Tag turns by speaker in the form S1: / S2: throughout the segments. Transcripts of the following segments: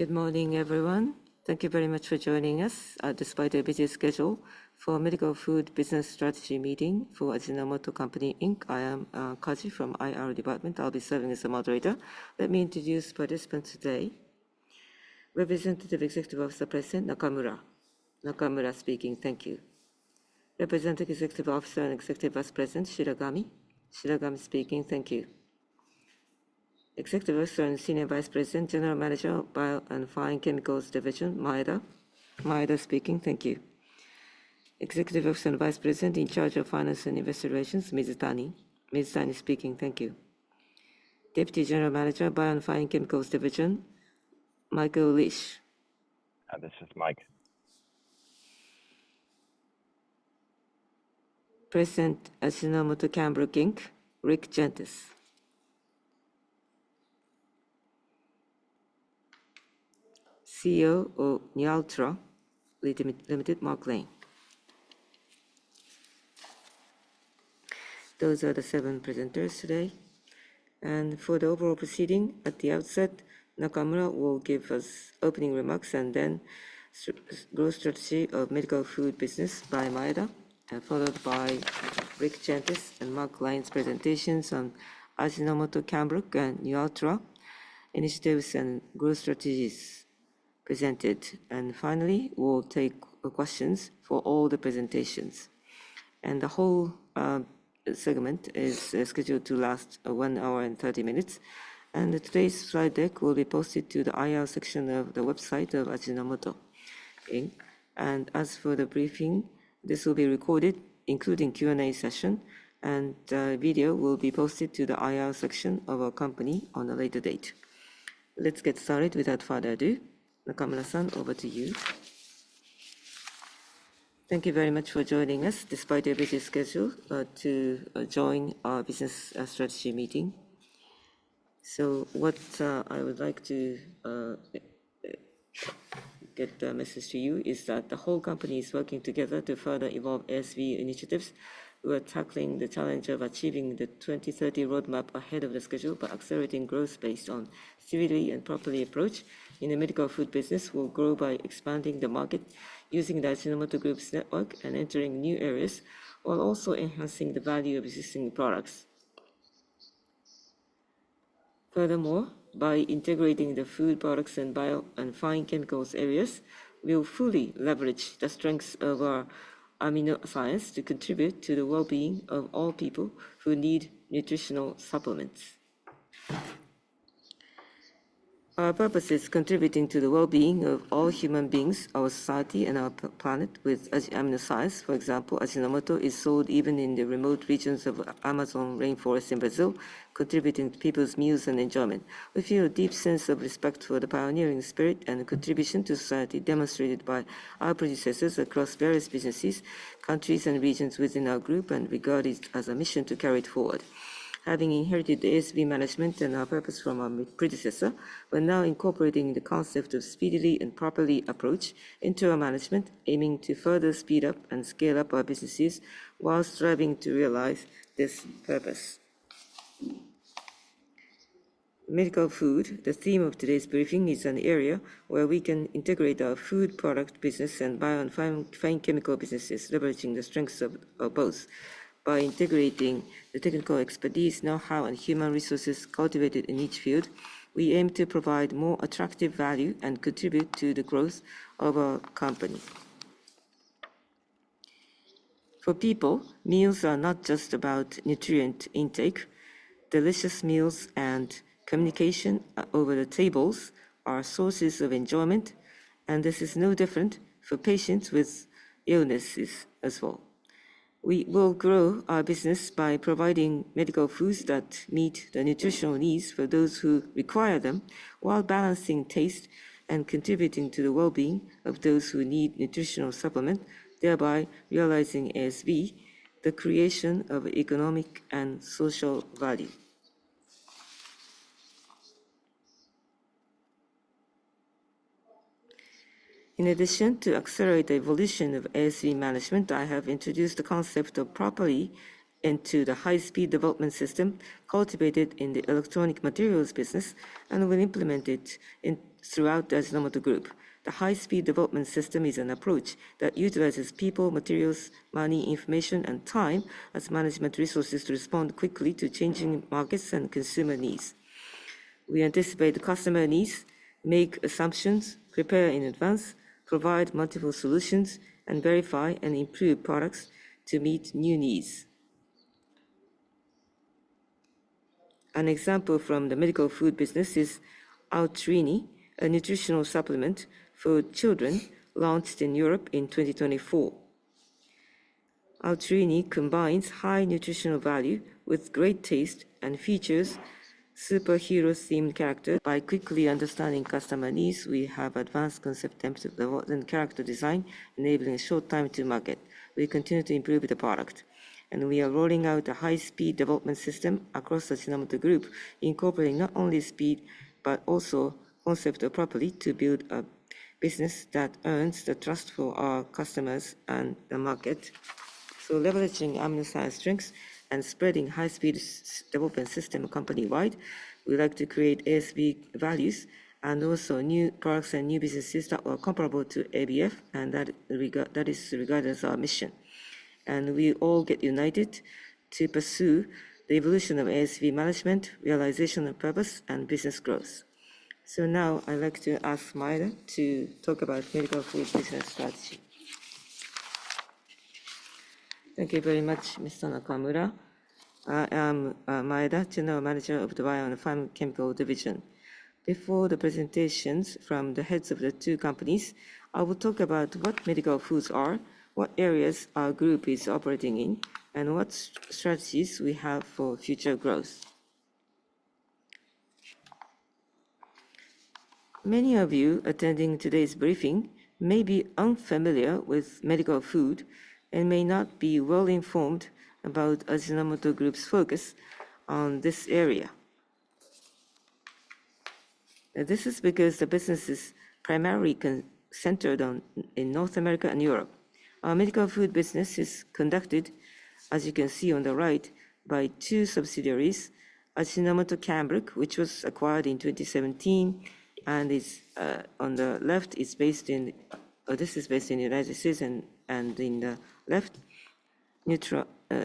S1: Good morning, everyone. Thank you very much for joining us despite a busy schedule for the Medical Food Business Strategy meeting for Ajinomoto Company Inc. I am Kaji from IR Department. I'll be serving as a moderator. Let me introduce participants today. Representative Executive Officer President Nakamura. Nakamura speaking. Thank you. Representative Executive Officer and Executive Vice President Shiragami. Shiragami speaking. Thank you. Executive Officer and Senior Vice President, General Manager of Bio and Fine Chemicals Division, Maeda. Maeda speaking. Thank you. Executive Officer and Vice President in Charge of Finance and Investigations, Ms. Tani. Ms. Tani speaking. Thank you. Deputy General Manager, Bio and Fine Chemicals Division, Michael Lish.
S2: This is Mike.
S1: President Ajinomoto Cambrooke, Rick Jantes. CEO of Nualtra Limited, Mark Lane. Those are the seven presenters today. For the overall proceeding, at the outset, Nakamura will give us opening remarks and then growth strategy of medical food business by Maeda, followed by Rick Jantes and Mark Lane's presentations on Ajinomoto Cambrooke and Nualtra initiatives and growth strategies presented. Finally, we'll take questions for all the presentations. The whole segment is scheduled to last one hour and 30 minutes. Today's slide deck will be posted to the IR section of the website of Ajinomoto. As for the briefing, this will be recorded, including Q&A session, and video will be posted to the IR section of our company on a later date. Let's get started without further ado. Nakamura-san, over to you. Thank you very much for joining us despite a busy schedule to join our business strategy meeting. What I would like to get the message to you is that the whole company is working together to further evolve ASV initiatives. We're tackling the challenge of achieving the 2030 roadmap ahead of the schedule by accelerating growth based on similarly and properly approached in the medical food business. We'll grow by expanding the market, using the Ajinomoto Group's network and entering new areas, while also enhancing the value of existing products. Furthermore, by integrating the food products and bio and fine chemicals areas, we'll fully leverage the strengths of our amino acids to contribute to the well-being of all people who need nutritional supplements. Our purpose is contributing to the well-being of all human beings, our society, and our planet with amino acids. For example, Ajinomoto is sold even in the remote regions of the Amazon Rainforest in Brazil, contributing to people's meals and enjoyment. We feel a deep sense of respect for the pioneering spirit and contribution to society demonstrated by our predecessors across various businesses, countries, and regions within our group and regard it as a mission to carry it forward. Having inherited the ASV management and our purpose from our predecessor, we're now incorporating the concept of speedily and properly approached into our management, aiming to further speed up and scale up our businesses while striving to realize this purpose. Medical Food, the theme of today's briefing, is an area where we can integrate our food product business and bio and fine chemical businesses, leveraging the strengths of both. By integrating the technical expertise, know-how, and human resources cultivated in each field, we aim to provide more attractive value and contribute to the growth of our company. For people, meals are not just about nutrient intake. Delicious meals and communication over the tables are sources of enjoyment, and this is no different for patients with illnesses as well. We will grow our business by providing medical foods that meet the nutritional needs for those who require them while balancing taste and contributing to the well-being of those who need nutritional supplement, thereby realizing ASV, the creation of economic and social value. In addition, to accelerate the evolution of ASV management, I have introduced the concept of properly into the high-speed development system cultivated in the electronic materials business and will implement it throughout the Ajinomoto Group. The high-speed development system is an approach that utilizes people, materials, money, information, and time as management resources to respond quickly to changing markets and consumer needs. We anticipate the customer needs, make assumptions, prepare in advance, provide multiple solutions, and verify and improve products to meet new needs. An example from the Medical Food business is Altrini, a nutritional supplement for children launched in Europe in 2024. Altrini combines high nutritional value with great taste and features superhero-themed characters. By quickly understanding customer needs, we have advanced concept and character design, enabling a short time to market. We continue to improve the product, and we are rolling out a high-speed development system across the Ajinomoto Group, incorporating not only speed but also concept properly to build a business that earns the trust for our customers and the market. Leveraging amino acid strengths and spreading high-speed development system company-wide, we like to create ASV values and also new products and new businesses that are comparable to ABF, and that is regardless of our mission. We all get united to pursue the evolution of ASV management, realization of purpose, and business growth. Now I'd like to ask Maeda to talk about medical food business strategy. Thank you very much, Mr. Nakamura. I am Maeda, General Manager of the Bio and Fine Chemical Division. Before the presentations from the heads of the two companies, I will talk about what medical foods are, what areas our group is operating in, and what strategies we have for future growth. Many of you attending today's briefing may be unfamiliar with medical food and may not be well-informed about Ajinomoto Group's focus on this area. This is because the business is primarily centered in North America and Europe. Our medical food business is conducted, as you can see on the right, by two subsidiaries: Ajinomoto Cambrooke, which was acquired in 2017, and on the left, this is based in the United States and in the left,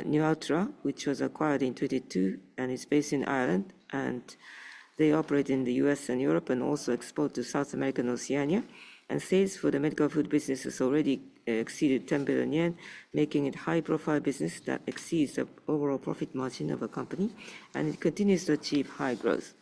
S1: Nualtra, which was acquired in 2022 and is based in Ireland. They operate in the U.S. and Europe and also export to South America and Oceania. Sales for the medical food business has already exceeded 10 billion yen, making it a high-profile business that exceeds the overall profit margin of a company, and it continues to achieve high growth.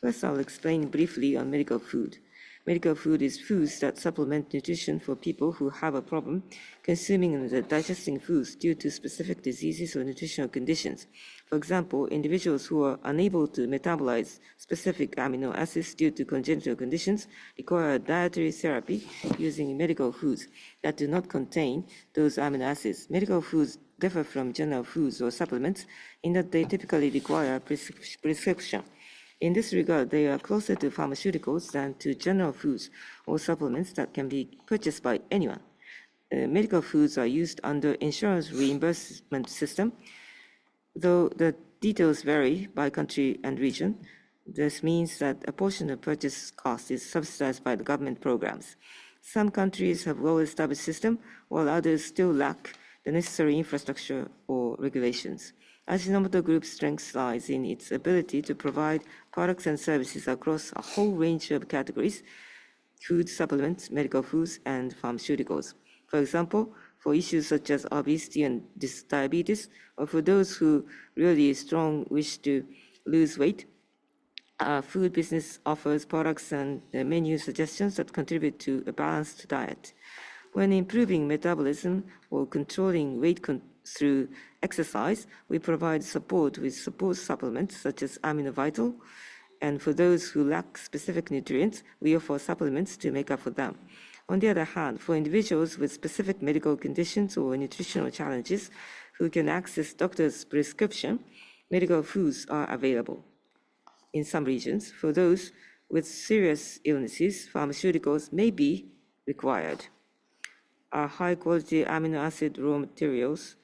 S1: First, I'll explain briefly on medical food. Medical food is foods that supplement nutrition for people who have a problem consuming and digesting foods due to specific diseases or nutritional conditions. For example, individuals who are unable to metabolize specific amino acids due to congenital conditions require dietary therapy using medical foods that do not contain those amino acids. Medical foods differ from general foods or supplements in that they typically require a prescription. In this regard, they are closer to pharmaceuticals than to general foods or supplements that can be purchased by anyone. Medical foods are used under insurance reimbursement system, though the details vary by country and region. This means that a portion of purchase cost is subsidized by the government programs. Some countries have well-established systems, while others still lack the necessary infrastructure or regulations. Ajinomoto Group's strength lies in its ability to provide products and services across a whole range of categories: food supplements, medical foods, and pharmaceuticals. For example, for issues such as obesity and diabetes, or for those who really strongly wish to lose weight, our food business offers products and menu suggestions that contribute to a balanced diet. When improving metabolism or controlling weight through exercise, we provide support with support supplements such as Amino-vital. For those who lack specific nutrients, we offer supplements to make up for them. On the other hand, for individuals with specific medical conditions or nutritional challenges who can access doctor's prescription, medical foods are available in some regions. For those with serious illnesses, pharmaceuticals may be required. Our high-quality amino acid raw materials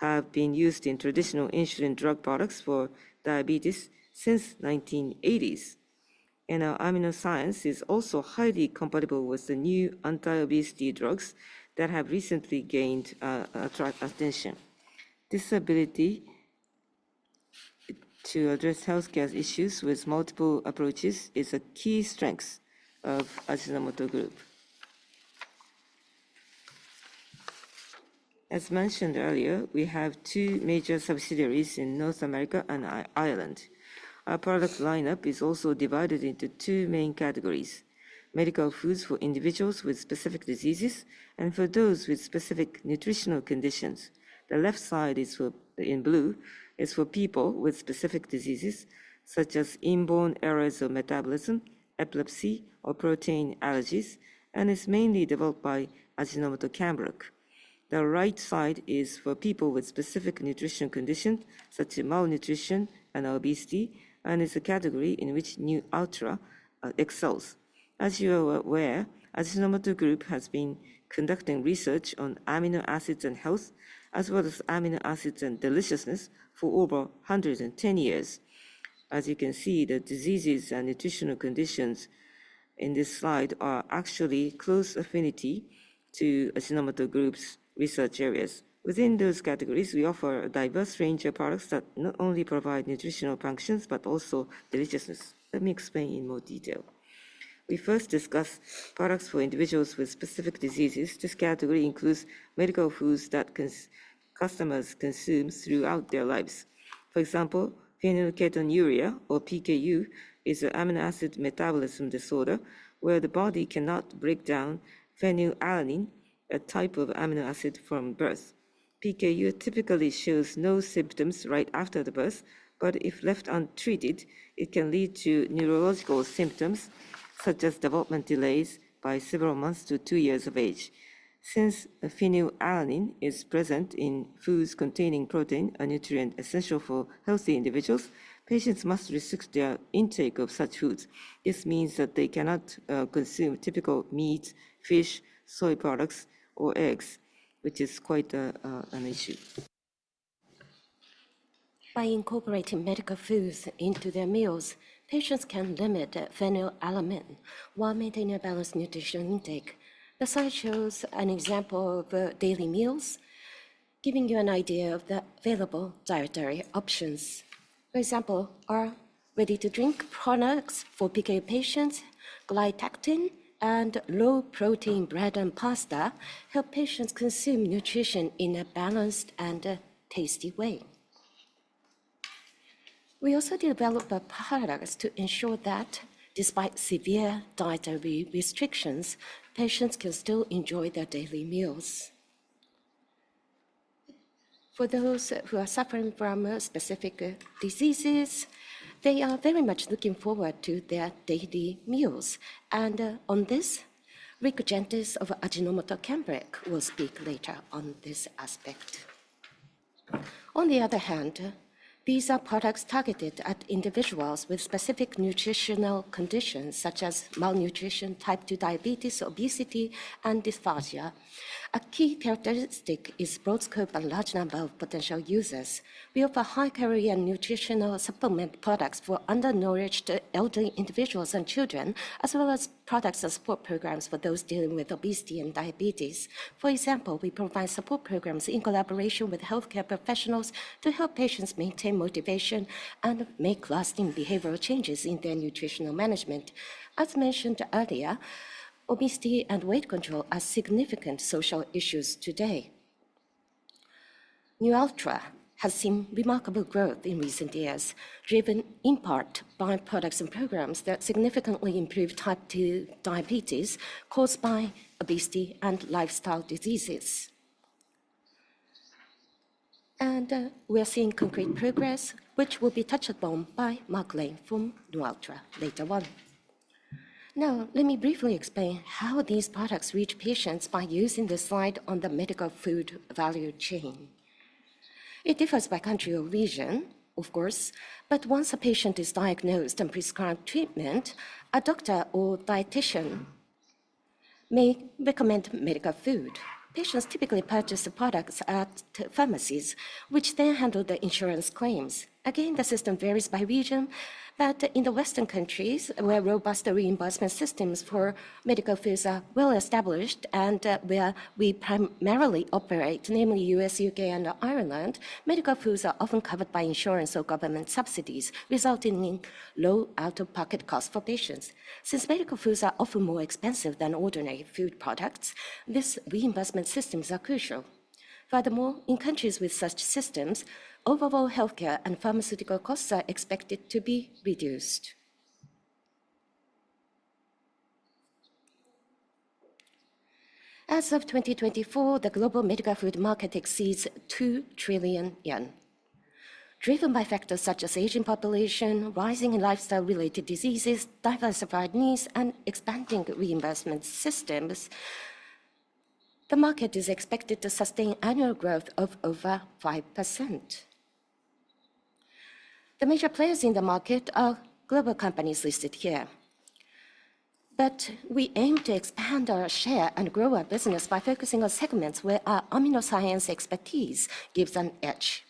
S1: have been used in traditional insulin drug products for diabetes since the 1980s. Our amino science is also highly compatible with the new anti-obesity drugs that have recently gained attention. This ability to address healthcare issues with multiple approaches is a key strength of Ajinomoto Group. As mentioned earlier, we have two major subsidiaries in North America and Ireland. Our product lineup is also divided into two main categories: medical foods for individuals with specific diseases and for those with specific nutritional conditions. The left side in blue is for people with specific diseases such as inborn errors of metabolism, epilepsy, or protein allergies, and is mainly developed by Ajinomoto Cambrooke. The right side is for people with specific nutritional conditions such as malnutrition and obesity, and is a category in which Nualtra excels. As you are aware, Ajinomoto Group has been conducting research on amino acids and health, as well as amino acids and deliciousness, for over 110 years. As you can see, the diseases and nutritional conditions in this slide are actually close affinity to Ajinomoto Group's research areas. Within those categories, we offer a diverse range of products that not only provide nutritional functions but also deliciousness. Let me explain in more detail. We first discuss products for individuals with specific diseases. This category includes medical foods that customers consume throughout their lives. For example, phenylketonuria, or PKU, is an amino acid metabolism disorder where the body cannot break down phenylalanine, a type of amino acid, from birth. PKU typically shows no symptoms right after the birth, but if left untreated, it can lead to neurological symptoms such as development delays by several months to two years of age. Since phenylalanine is present in foods containing protein, a nutrient essential for healthy individuals, patients must restrict their intake of such foods. This means that they cannot consume typical meat, fish, soy products, or eggs, which is quite an issue.
S3: By incorporating medical foods into their meals, patients can limit phenylalanine while maintaining a balanced nutritional intake. The slide shows an example of daily meals, giving you an idea of the available dietary options. For example, our ready-to-drink products for PK patients, Glycactin, and low-protein bread and pasta help patients consume nutrition in a balanced and tasty way. We also developed products to ensure that despite severe dietary restrictions, patients can still enjoy their daily meals. For those who are suffering from specific diseases, they are very much looking forward to their daily meals. On this, Rick Jantes of Ajinomoto Cambrooke will speak later on this aspect. On the other hand, these are products targeted at individuals with specific nutritional conditions such as malnutrition, type 2 diabetes, obesity, and dysphagia. A key characteristic is broad scope and large number of potential users. We offer high-care nutritional supplement products for undernourished elderly individuals and children, as well as products and support programs for those dealing with obesity and diabetes. For example, we provide support programs in collaboration with healthcare professionals to help patients maintain motivation and make lasting behavioral changes in their nutritional management. As mentioned earlier, obesity and weight control are significant social issues today. Nualtra has seen remarkable growth in recent years, driven in part by products and programs that significantly improve type 2 diabetes caused by obesity and lifestyle diseases. We are seeing concrete progress, which will be touched upon by Mark Lane from Nualtra later on. Now, let me briefly explain how these products reach patients by using the slide on the medical food value chain. It differs by country or region, of course, but once a patient is diagnosed and prescribed treatment, a doctor or dietitian may recommend medical food. Patients typically purchase the products at pharmacies, which then handle the insurance claims. Again, the system varies by region, but in the Western countries, where robust reimbursement systems for medical foods are well established and where we primarily operate, namely U.S., U.K., and Ireland, medical foods are often covered by insurance or government subsidies, resulting in low out-of-pocket costs for patients. Since medical foods are often more expensive than ordinary food products, these reimbursement systems are crucial. Furthermore, in countries with such systems, overall healthcare and pharmaceutical costs are expected to be reduced. As of 2024, the global medical food market exceeds 2 trillion yen, driven by factors such as aging population, rising lifestyle-related diseases, diversified needs, and expanding reimbursement systems. The market is expected to sustain annual growth of over 5%. The major players in the market are global companies listed here. We aim to expand our share and grow our business by focusing on segments where our amino science expertise gives an edge.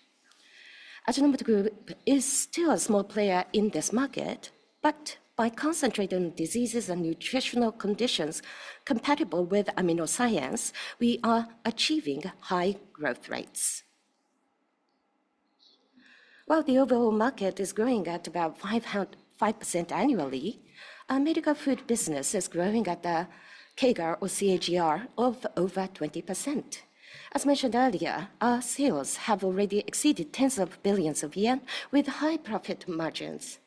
S3: Ajinomoto Group is still a small player in this market, but by concentrating on diseases and nutritional conditions compatible with amino science, we are achieving high growth rates. While the overall market is growing at about 5% annually, our medical food business is growing at the CAGR of over 20%. As mentioned earlier, our sales have already exceeded tens of billions of yen with high profit margins.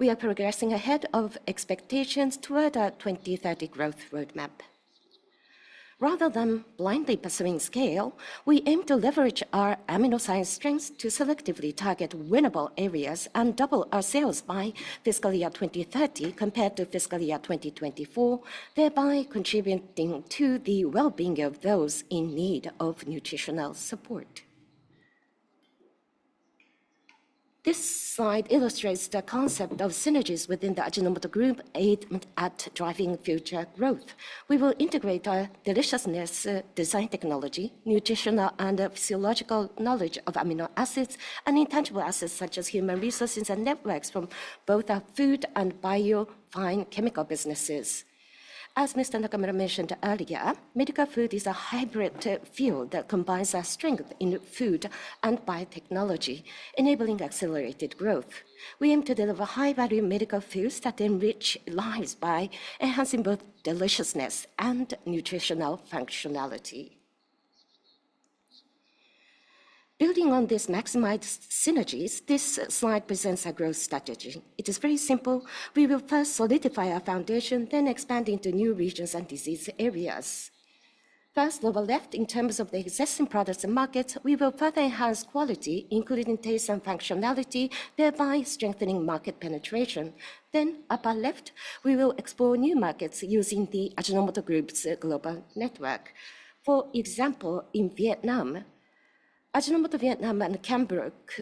S3: We are progressing ahead of expectations toward our 2030 growth roadmap. Rather than blindly pursuing scale, we aim to leverage our amino science strengths to selectively target winnable areas and double our sales by fiscal year 2030 compared to fiscal year 2024, thereby contributing to the well-being of those in need of nutritional support. This slide illustrates the concept of synergies within the Ajinomoto Group aimed at driving future growth. We will integrate our deliciousness design technology, nutritional and physiological knowledge of amino acids, and intangible assets such as human resources and networks from both our food and bio-pharmaceutical businesses. As Mr. Nakamura mentioned earlier, medical food is a hybrid field that combines our strength in food and biotechnology, enabling accelerated growth. We aim to deliver high-value medical foods that enrich lives by enhancing both deliciousness and nutritional functionality. Building on these maximized synergies, this slide presents our growth strategy. It is very simple. We will first solidify our foundation, then expand into new regions and disease areas. First, lower left, in terms of the existing products and markets, we will further enhance quality, including taste and functionality, thereby strengthening market penetration. Then, upper left, we will explore new markets using the Ajinomoto Group's global network. For example, in Vietnam, Ajinomoto Vietnam and Cambrooke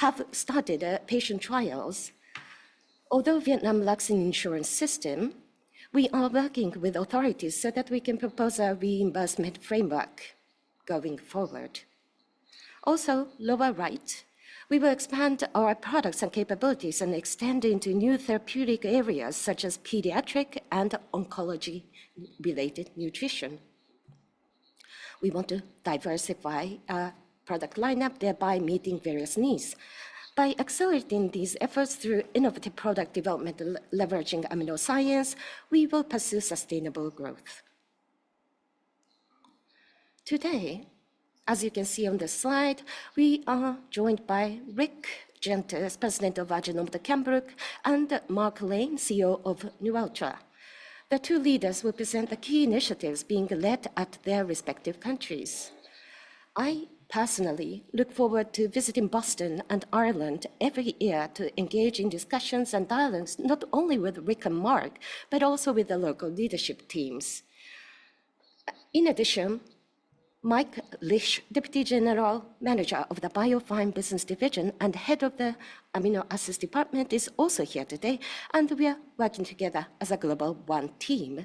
S3: have started patient trials. Although Vietnam lacks an insurance system, we are working with authorities so that we can propose a reimbursement framework going forward. Also, lower right, we will expand our products and capabilities and extend into new therapeutic areas such as pediatric and oncology-related nutrition. We want to diversify our product lineup, thereby meeting various needs. By accelerating these efforts through innovative product development leveraging amino science, we will pursue sustainable growth. Today, as you can see on the slide, we are joined by Rick Jantes, President of Ajinomoto Cambrooke, and Mark Lane, CEO of Nualtra. The two leaders will present the key initiatives being led at their respective countries. I personally look forward to visiting Boston and Ireland every year to engage in discussions and dialogues not only with Rick and Mark, but also with the local leadership teams. In addition, Michael Lish, Deputy General Manager of the Bio and Fine Chemicals Division and Head of the Amino Acids Department, is also here today, and we are working together as a Global One team.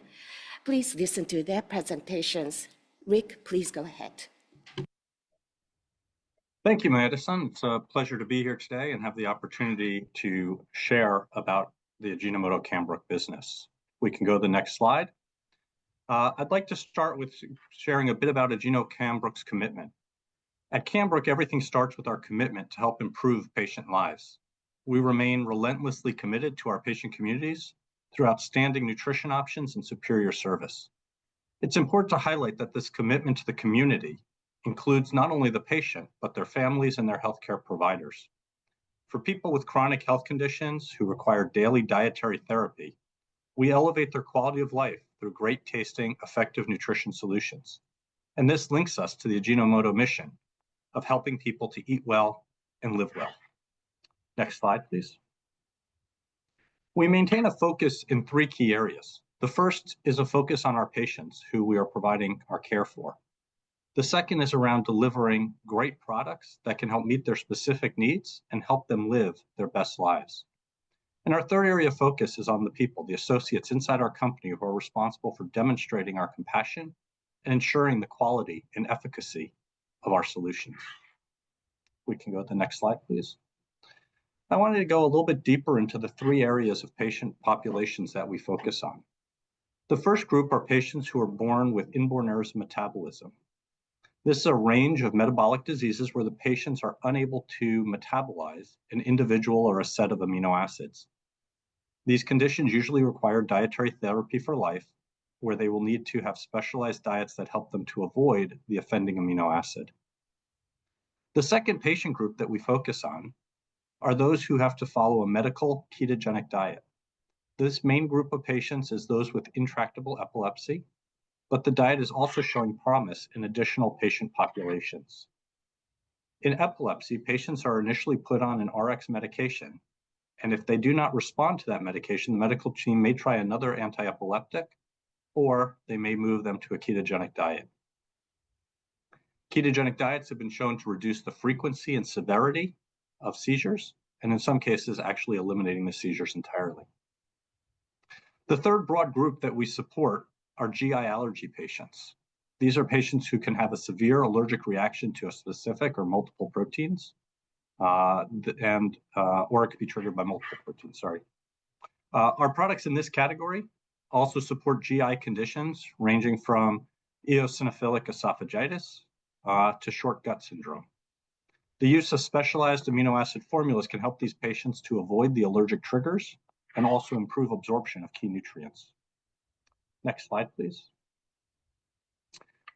S3: Please listen to their presentations. Rick, please go ahead.
S4: Thank you, Madison. It's a pleasure to be here today and have the opportunity to share about the Ajinomoto Cambrooke business. We can go to the next slide. I'd like to start with sharing a bit about Ajinomoto Cambrooke's commitment. At Cambrooke, everything starts with our commitment to help improve patient lives. We remain relentlessly committed to our patient communities through outstanding nutrition options and superior service. It is important to highlight that this commitment to the community includes not only the patient, but their families and their healthcare providers. For people with chronic health conditions who require daily dietary therapy, we elevate their quality of life through great tasting, effective nutrition solutions. This links us to the Ajinomoto mission of helping people to eat well and live well. Next slide, please. We maintain a focus in three key areas. The first is a focus on our patients, who we are providing our care for. The second is around delivering great products that can help meet their specific needs and help them live their best lives. Our third area of focus is on the people, the associates inside our company who are responsible for demonstrating our compassion and ensuring the quality and efficacy of our solutions. We can go to the next slide, please. I wanted to go a little bit deeper into the three areas of patient populations that we focus on. The first group are patients who are born with inborn errors of metabolism. This is a range of metabolic diseases where the patients are unable to metabolize an individual or a set of amino acids. These conditions usually require dietary therapy for life, where they will need to have specialized diets that help them to avoid the offending amino acid. The second patient group that we focus on are those who have to follow a medical ketogenic diet. This main group of patients is those with intractable epilepsy, but the diet is also showing promise in additional patient populations. In epilepsy, patients are initially put on an Rx medication, and if they do not respond to that medication, the medical team may try another anti-epileptic, or they may move them to a ketogenic diet. Ketogenic diets have been shown to reduce the frequency and severity of seizures, and in some cases, actually eliminating the seizures entirely. The third broad group that we support are GI allergy patients. These are patients who can have a severe allergic reaction to a specific or multiple proteins, and/or it could be triggered by multiple proteins. Sorry. Our products in this category also support GI conditions ranging from eosinophilic esophagitis to short gut syndrome. The use of specialized amino acid formulas can help these patients to avoid the allergic triggers and also improve absorption of key nutrients. Next slide, please.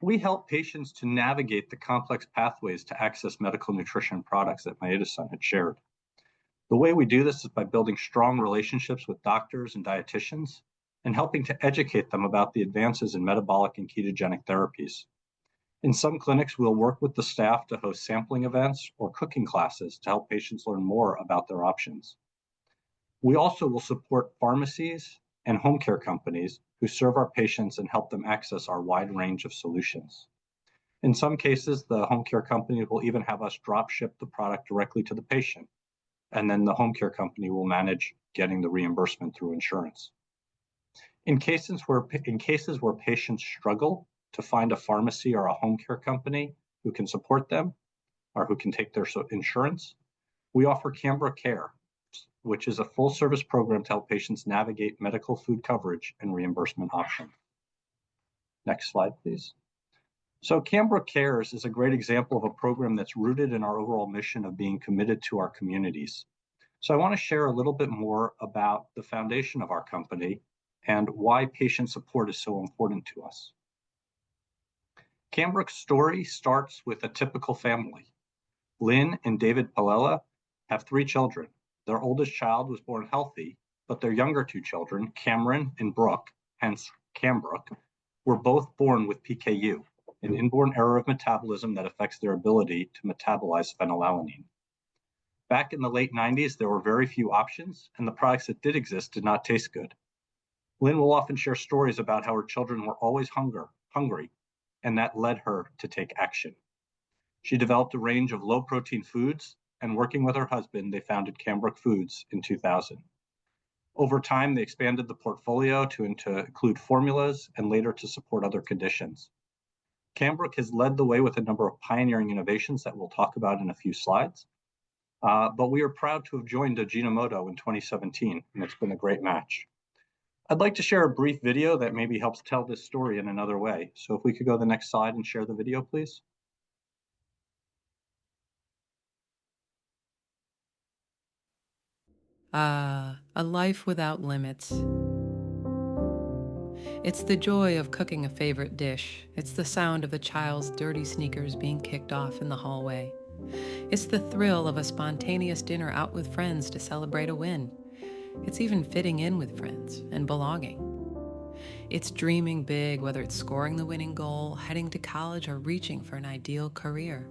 S4: We help patients to navigate the complex pathways to access medical nutrition products that Madison had shared. The way we do this is by building strong relationships with doctors and dietitians and helping to educate them about the advances in metabolic and ketogenic therapies. In some clinics, we'll work with the staff to host sampling events or cooking classes to help patients learn more about their options. We also will support pharmacies and home care companies who serve our patients and help them access our wide range of solutions. In some cases, the home care company will even have us drop ship the product directly to the patient, and then the home care company will manage getting the reimbursement through insurance. In cases where patients struggle to find a pharmacy or a home care company who can support them or who can take their insurance, we offer Kambo Care, which is a full-service program to help patients navigate medical food coverage and reimbursement options. Next slide, please. Kambo Care is a great example of a program that's rooted in our overall mission of being committed to our communities. I want to share a little bit more about the foundation of our company and why patient support is so important to us. Kambo's story starts with a typical family. Lynn and David Palella have three children. Their oldest child was born healthy, but their younger two children, Cameron and Brooke, hence Kambo, were both born with PKU, an inborn error of metabolism that affects their ability to metabolize phenylalanine. Back in the late 1990s, there were very few options, and the products that did exist did not taste good. Lynn will often share stories about how her children were always hungry, and that led her to take action. She developed a range of low-protein foods, and working with her husband, they founded Cambrooke Foods in 2000. Over time, they expanded the portfolio to include formulas and later to support other conditions. Cambrooke has led the way with a number of pioneering innovations that we'll talk about in a few slides, but we are proud to have joined Ajinomoto in 2017, and it's been a great match. I'd like to share a brief video that maybe helps tell this story in another way. If we could go to the next slide and share the video, please.
S5: A life without limits. It's the joy of cooking a favorite dish. It's the sound of a child's dirty sneakers being kicked off in the hallway. It's the thrill of a spontaneous dinner out with friends to celebrate a win. It's even fitting in with friends and belonging. It's dreaming big, whether it's scoring the winning goal, heading to college, or reaching for an ideal career.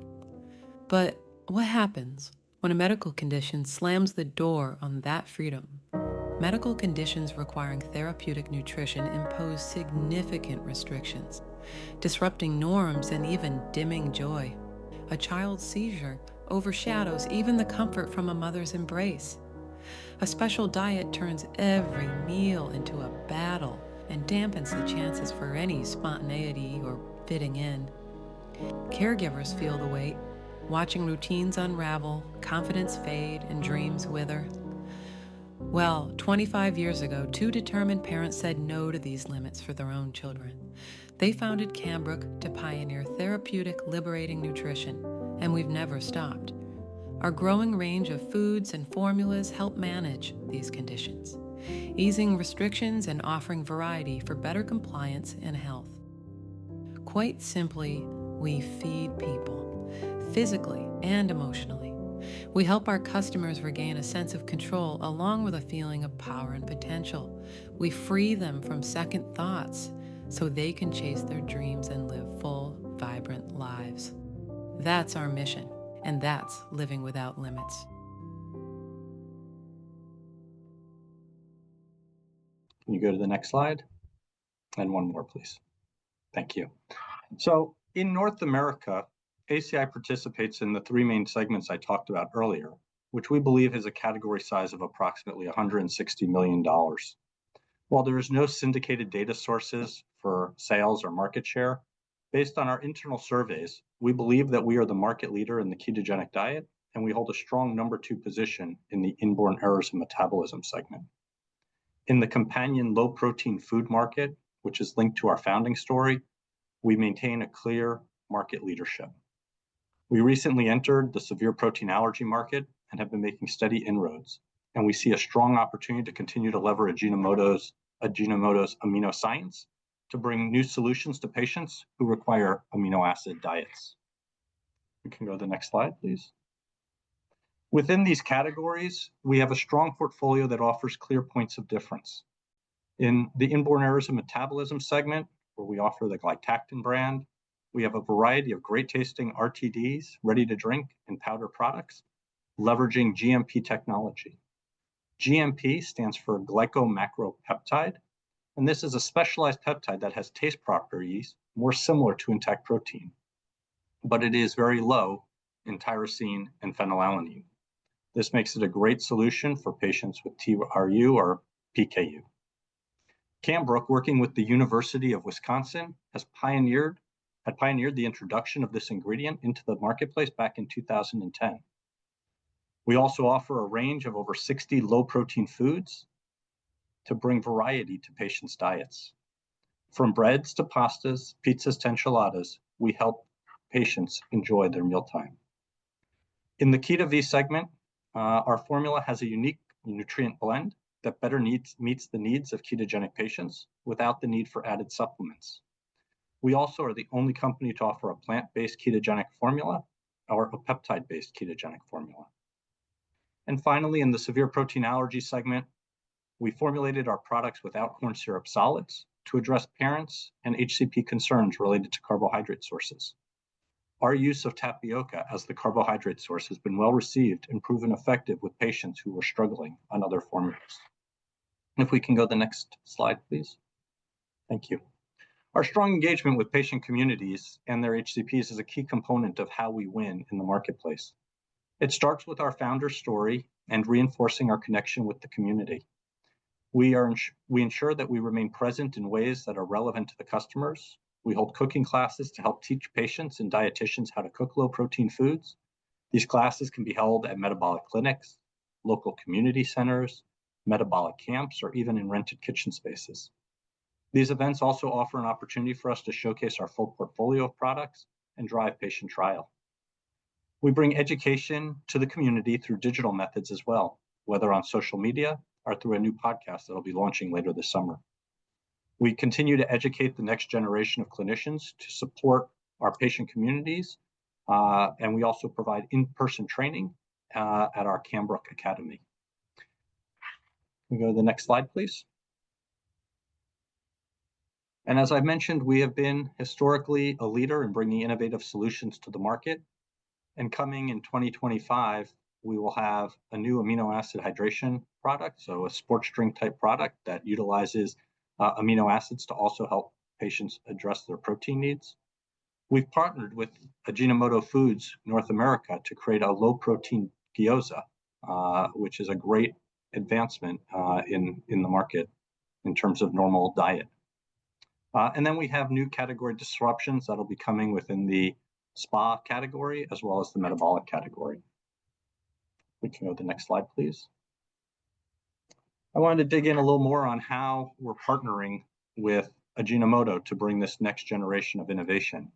S5: What happens when a medical condition slams the door on that freedom? Medical conditions requiring therapeutic nutrition impose significant restrictions, disrupting norms and even dimming joy. A child's seizure overshadows even the comfort from a mother's embrace. A special diet turns every meal into a battle and dampens the chances for any spontaneity or fitting in. Caregivers feel the weight, watching routines unravel, confidence fade, and dreams wither. Twenty-five years ago, two determined parents said no to these limits for their own children. They founded Cambrooke to pioneer therapeutic liberating nutrition, and we've never stopped. Our growing range of foods and formulas help manage these conditions, easing restrictions and offering variety for better compliance and health. Quite simply, we feed people physically and emotionally. We help our customers regain a sense of control along with a feeling of power and potential. We free them from second thoughts so they can chase their dreams and live full, vibrant lives. That's our mission, and that's living without limits.
S4: Can you go to the next slide? And one more, please. Thank you. In North America, ACI participates in the three main segments I talked about earlier, which we believe has a category size of approximately $160 million. While there are no syndicated data sources for sales or market share, based on our internal surveys, we believe that we are the market leader in the ketogenic diet, and we hold a strong number two position in the inborn errors of metabolism segment. In the companion low-protein food market, which is linked to our founding story, we maintain a clear market leadership. We recently entered the severe protein allergy market and have been making steady inroads, and we see a strong opportunity to continue to leverage Ajinomoto's amino science to bring new solutions to patients who require amino acid diets. We can go to the next slide, please. Within these categories, we have a strong portfolio that offers clear points of difference. In the inborn errors of metabolism segment, where we offer the Glycactin brand, we have a variety of great tasting RTDs, ready-to-drink and powder products, leveraging GMP technology. GMP stands for glycomacropeptide, and this is a specialized peptide that has taste properties more similar to intact protein, but it is very low in tyrosine and phenylalanine. This makes it a great solution for patients with TYR or PKU. Cambrooke, working with the University of Wisconsin, has pioneered the introduction of this ingredient into the marketplace back in 2010. We also offer a range of over 60 low-protein foods to bring variety to patients' diets. From breads to pastas, pizzas, and chips, we help patients enjoy their mealtime. In the Keto V segment, our formula has a unique nutrient blend that better meets the needs of ketogenic patients without the need for added supplements. We also are the only company to offer a plant-based ketogenic formula, our peptide-based ketogenic formula. Finally, in the severe protein allergy segment, we formulated our products without corn syrup solids to address parents' and HCP concerns related to carbohydrate sources. Our use of tapioca as the carbohydrate source has been well received and proven effective with patients who were struggling on other formulas. If we can go to the next slide, please. Thank you. Our strong engagement with patient communities and their HCPs is a key component of how we win in the marketplace. It starts with our founder story and reinforcing our connection with the community. We ensure that we remain present in ways that are relevant to the customers. We hold cooking classes to help teach patients and dietitians how to cook low-protein foods. These classes can be held at metabolic clinics, local community centers, metabolic camps, or even in rented kitchen spaces. These events also offer an opportunity for us to showcase our full portfolio of products and drive patient trial. We bring education to the community through digital methods as well, whether on social media or through a new podcast that will be launching later this summer. We continue to educate the next generation of clinicians to support our patient communities, and we also provide in-person training at our Kambo Academy. Can we go to the next slide, please? As I have mentioned, we have been historically a leader in bringing innovative solutions to the market. Coming in 2025, we will have a new amino acid hydration product, a sports drink-type product that utilizes amino acids to also help patients address their protein needs. We've partnered with Ajinomoto Foods North America to create a low-protein gyoza, which is a great advancement in the market in terms of normal diet. We have new category disruptions that will be coming within the spa category as well as the metabolic category. We can go to the next slide, please. I wanted to dig in a little more on how we're partnering with Ajinomoto to bring this next generation of innovation.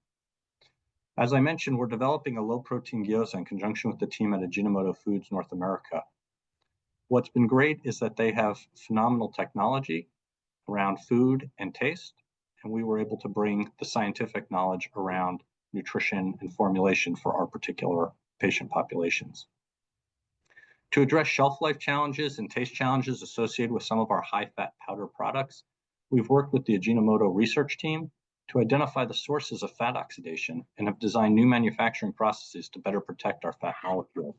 S4: As I mentioned, we're developing a low-protein gyoza in conjunction with the team at Ajinomoto Foods North America. What's been great is that they have phenomenal technology around food and taste, and we were able to bring the scientific knowledge around nutrition and formulation for our particular patient populations. To address shelf life challenges and taste challenges associated with some of our high-fat powder products, we've worked with the Ajinomoto Research Team to identify the sources of fat oxidation and have designed new manufacturing processes to better protect our fat molecules.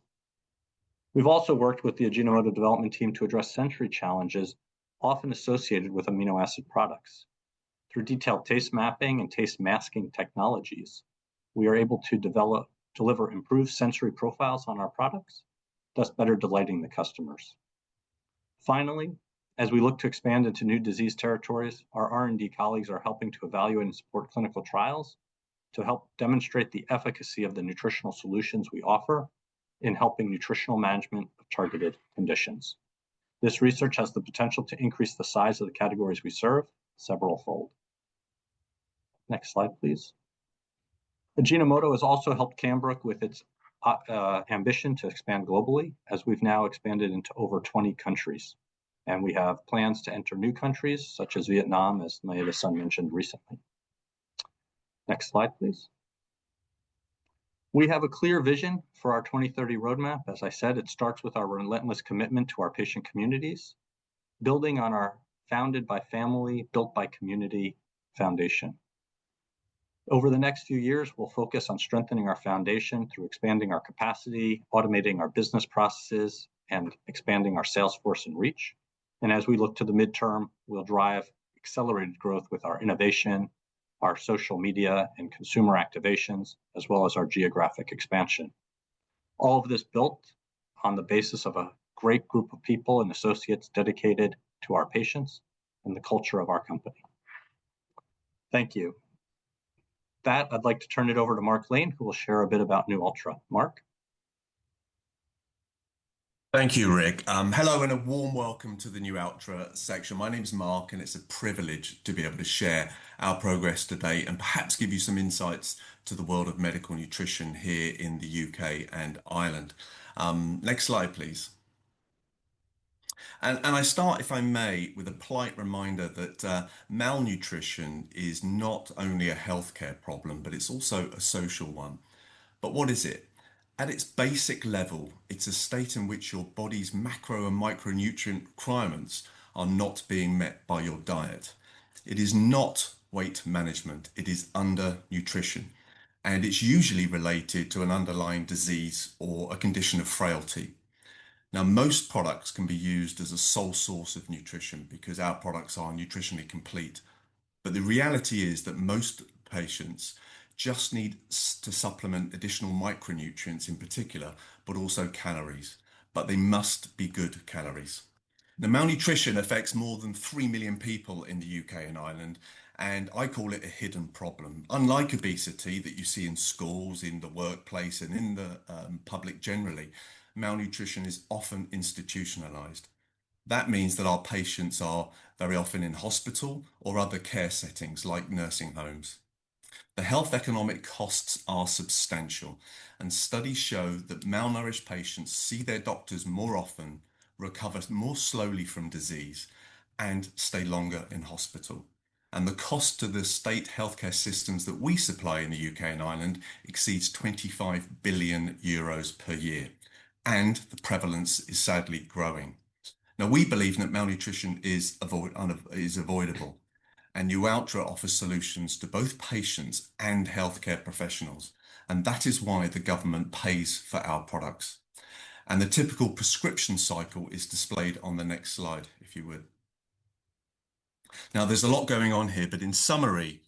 S4: We've also worked with the Ajinomoto development team to address sensory challenges often associated with amino acid products. Through detailed taste mapping and taste masking technologies, we are able to deliver improved sensory profiles on our products, thus better delighting the customers. Finally, as we look to expand into new disease territories, our R&D colleagues are helping to evaluate and support clinical trials to help demonstrate the efficacy of the nutritional solutions we offer in helping nutritional management of targeted conditions. This research has the potential to increase the size of the categories we serve several fold. Next slide, please. Ajinomoto has also helped Cambrooke with its ambition to expand globally, as we've now expanded into over 20 countries, and we have plans to enter new countries such as Vietnam, as Madison mentioned recently. Next slide, please. We have a clear vision for our 2030 roadmap. As I said, it starts with our relentless commitment to our patient communities, building on our founded by family, built by community foundation. Over the next few years, we'll focus on strengthening our foundation through expanding our capacity, automating our business processes, and expanding our sales force and reach. As we look to the midterm, we'll drive accelerated growth with our innovation, our social media and consumer activations, as well as our geographic expansion. All of this built on the basis of a great group of people and associates dedicated to our patients and the culture of our company. Thank you. That I'd like to turn it over to Mark Lane, who will share a bit about New Ultra. Mark.
S6: Thank you, Rick. Hello and a warm welcome to the New Ultra section. My name is Mark, and it's a privilege to be able to share our progress today and perhaps give you some insights to the world of medical nutrition here in the U.K. and Ireland. Next slide, please. I start, if I may, with a polite reminder that malnutrition is not only a healthcare problem, but it's also a social one. What is it? At its basic level, it's a state in which your body's macro and micronutrient requirements are not being met by your diet. It is not weight management. It is under nutrition, and it's usually related to an underlying disease or a condition of frailty. Now, most products can be used as a sole source of nutrition because our products are nutritionally complete. The reality is that most patients just need to supplement additional micronutrients in particular, but also calories, but they must be good calories. Now, malnutrition affects more than 3 million people in the U.K. and Ireland, and I call it a hidden problem. Unlike obesity that you see in schools, in the workplace, and in the public generally, malnutrition is often institutionalized. That means that our patients are very often in hospital or other care settings like nursing homes. The health economic costs are substantial, and studies show that malnourished patients see their doctors more often, recover more slowly from disease, and stay longer in hospital. The cost to the state healthcare systems that we supply in the U.K. and Ireland exceeds 25 billion euros per year, and the prevalence is sadly growing. We believe that malnutrition is avoidable, and New Ultra offers solutions to both patients and healthcare professionals, and that is why the government pays for our products. The typical prescription cycle is displayed on the next slide, if you would. There is a lot going on here, but in summary,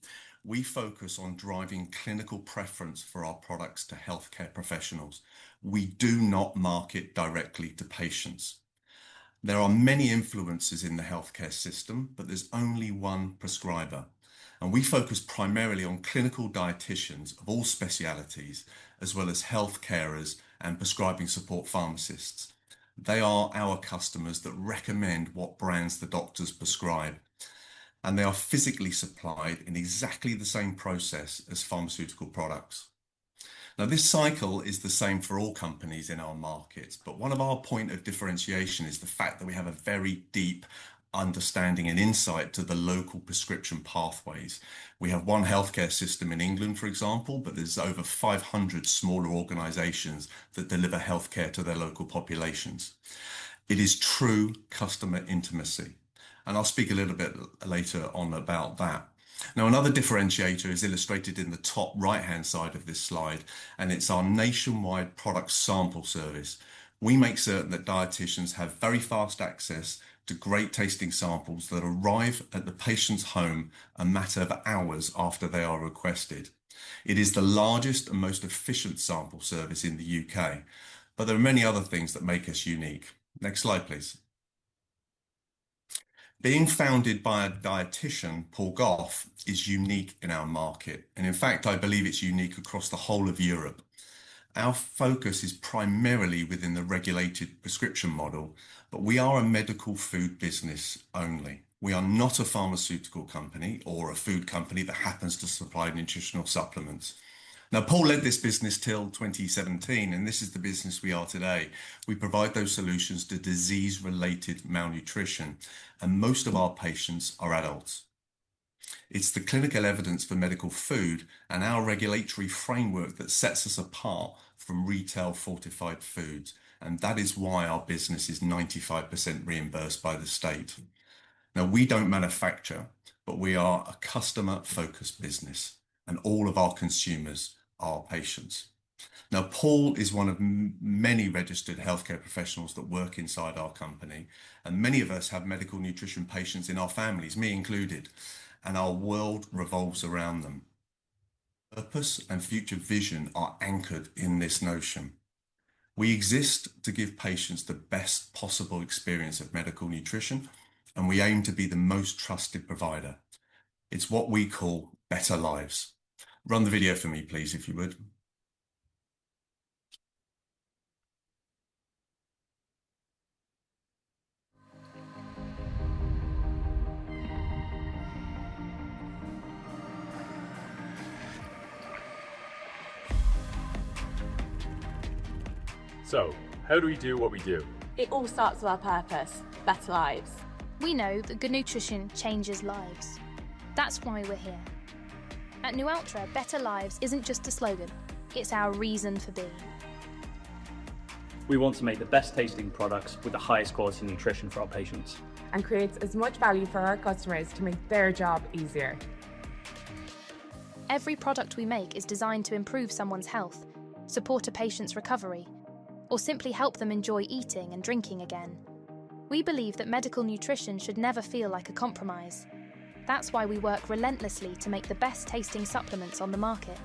S6: we focus on driving clinical preference for our products to healthcare professionals. We do not market directly to patients. There are many influences in the healthcare system, but there is only one prescriber, and we focus primarily on clinical dietitians of all specialties, as well as healthcare and prescribing support pharmacists. They are our customers that recommend what brands the doctors prescribe, and they are physically supplied in exactly the same process as pharmaceutical products. Now, this cycle is the same for all companies in our markets, but one of our points of differentiation is the fact that we have a very deep understanding and insight to the local prescription pathways. We have one healthcare system in England, for example, but there are over 500 smaller organizations that deliver healthcare to their local populations. It is true customer intimacy, and I'll speak a little bit later on about that. Now, another differentiator is illustrated in the top right-hand side of this slide, and it's our nationwide product sample service. We make certain that dietitians have very fast access to great tasting samples that arrive at the patient's home a matter of hours after they are requested. It is the largest and most efficient sample service in the U.K., but there are many other things that make us unique. Next slide, please. Being founded by a dietitian, Paul Goff, is unique in our market, and in fact, I believe it is unique across the whole of Europe. Our focus is primarily within the regulated prescription model, but we are a medical food business only. We are not a pharmaceutical company or a food company that happens to supply nutritional supplements. Now, Paul led this business till 2017, and this is the business we are today. We provide those solutions to disease-related malnutrition, and most of our patients are adults. It is the clinical evidence for medical food and our regulatory framework that sets us apart from retail fortified foods, and that is why our business is 95% reimbursed by the state. Now, we do not manufacture, but we are a customer-focused business, and all of our consumers are patients. Now, Paul is one of many registered healthcare professionals that work inside our company, and many of us have medical nutrition patients in our families, me included, and our world revolves around them. Purpose and future vision are anchored in this notion. We exist to give patients the best possible experience of medical nutrition, and we aim to be the most trusted provider. It is what we call better lives. Run the video for me, please, if you would.
S7: How do we do what we do?
S8: It all starts with our purpose: better lives. We know that good nutrition changes lives. That is why we are here. At Nualtra, better lives is not just a slogan. It is our reason today. We want to make the best tasting products with the highest quality nutrition for our patients and create as much value for our customers to make their job easier. Every product we make is designed to improve someone's health, support a patient's recovery, or simply help them enjoy eating and drinking again. We believe that medical nutrition should never feel like a compromise. That is why we work relentlessly to make the best tasting supplements on the market.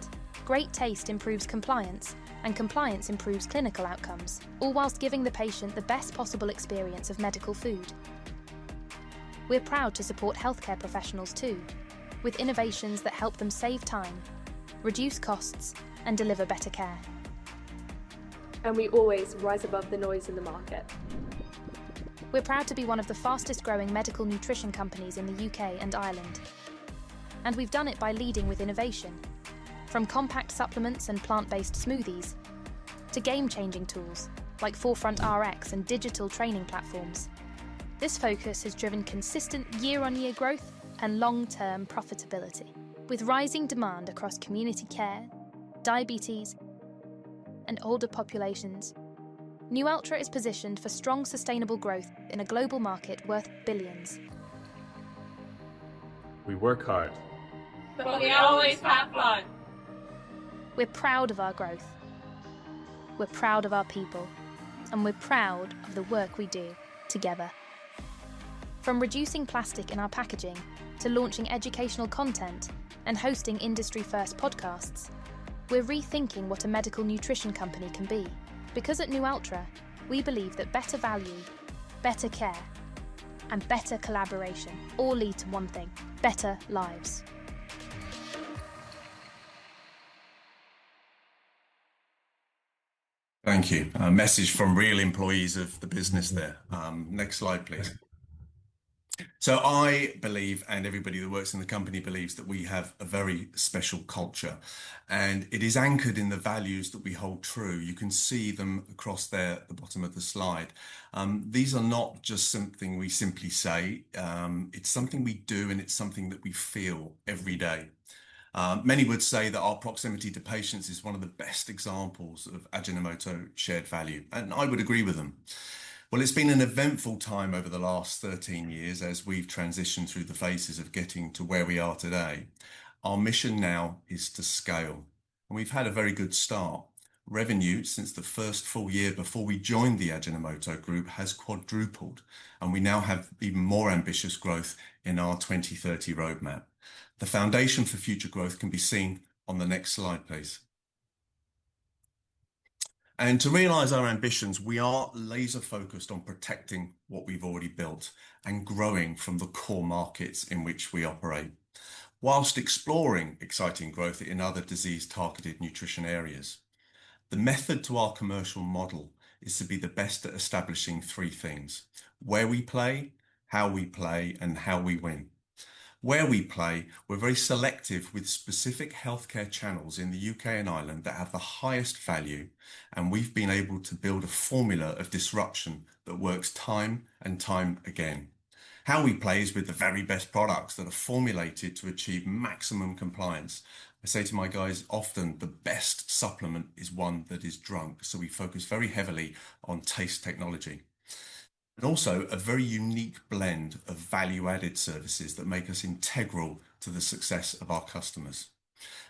S8: Great taste improves compliance, and compliance improves clinical outcomes, all whilst giving the patient the best possible experience of medical food. We are proud to support healthcare professionals too, with innovations that help them save time, reduce costs, and deliver better care. We always rise above the noise in the market. We're proud to be one of the fastest-growing medical nutrition companies in the U.K. and Ireland, and we've done it by leading with innovation, from compact supplements and plant-based smoothies to game-changing tools like Forefront RX and digital training platforms. This focus has driven consistent year-on-year growth and long-term profitability. With rising demand across community care, diabetes, and older populations, Nualtra Life is positioned for strong sustainable growth in a global market worth billions. We work hard, but we always have fun. We're proud of our growth. We're proud of our people, and we're proud of the work we do together. From reducing plastic in our packaging to launching educational content and hosting industry-first podcasts, we're rethinking what a medical nutrition company can be. Because at Nualtra, we believe that better value, better care, and better collaboration all lead to one thing: better lives.
S6: Thank you. A message from real employees of the business there. Next slide, please. I believe, and everybody that works in the company believes, that we have a very special culture, and it is anchored in the values that we hold true. You can see them across there at the bottom of the slide. These are not just something we simply say. It's something we do, and it's something that we feel every day. Many would say that our proximity to patients is one of the best examples of Ajinomoto shared value, and I would agree with them. It has been an eventful time over the last 13 years as we've transitioned through the phases of getting to where we are today. Our mission now is to scale, and we've had a very good start. Revenue since the first full year before we joined the Ajinomoto Group has quadrupled, and we now have even more ambitious growth in our 2030 roadmap. The foundation for future growth can be seen on the next slide, please. To realize our ambitions, we are laser-focused on protecting what we've already built and growing from the core markets in which we operate, whilst exploring exciting growth in other disease-targeted nutrition areas. The method to our commercial model is to be the best at establishing three things: where we play, how we play, and how we win. Where we play, we're very selective with specific healthcare channels in the U.K. and Ireland that have the highest value, and we've been able to build a formula of disruption that works time and time again. How we play is with the very best products that are formulated to achieve maximum compliance. I say to my guys often, the best supplement is one that is drunk, so we focus very heavily on taste technology. Also, a very unique blend of value-added services that make us integral to the success of our customers.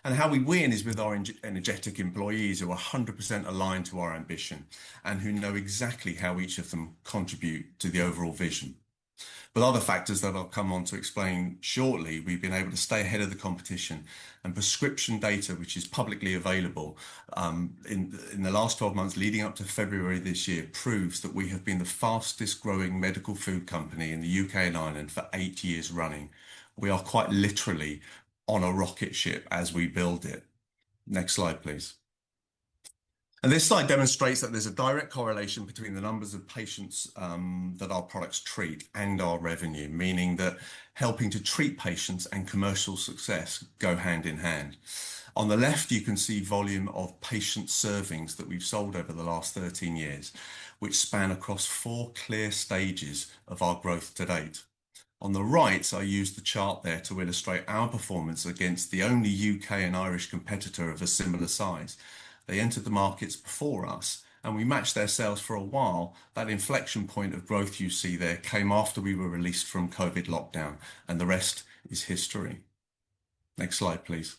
S6: How we win is with our energetic employees who are 100% aligned to our ambition and who know exactly how each of them contribute to the overall vision. Other factors that I'll come on to explain shortly, we've been able to stay ahead of the competition, and prescription data, which is publicly available in the last 12 months leading up to February this year, proves that we have been the fastest-growing medical food company in the U.K. and Ireland for eight years running. We are quite literally on a rocket ship as we build it. Next slide, please. This slide demonstrates that there's a direct correlation between the numbers of patients that our products treat and our revenue, meaning that helping to treat patients and commercial success go hand in hand. On the left, you can see the volume of patient servings that we've sold over the last 13 years, which span across four clear stages of our growth to date. On the right, I use the chart there to illustrate our performance against the only U.K. and Irish competitor of a similar size. They entered the markets before us, and we matched their sales for a while. That inflection point of growth you see there came after we were released from COVID lockdown, and the rest is history. Next slide, please.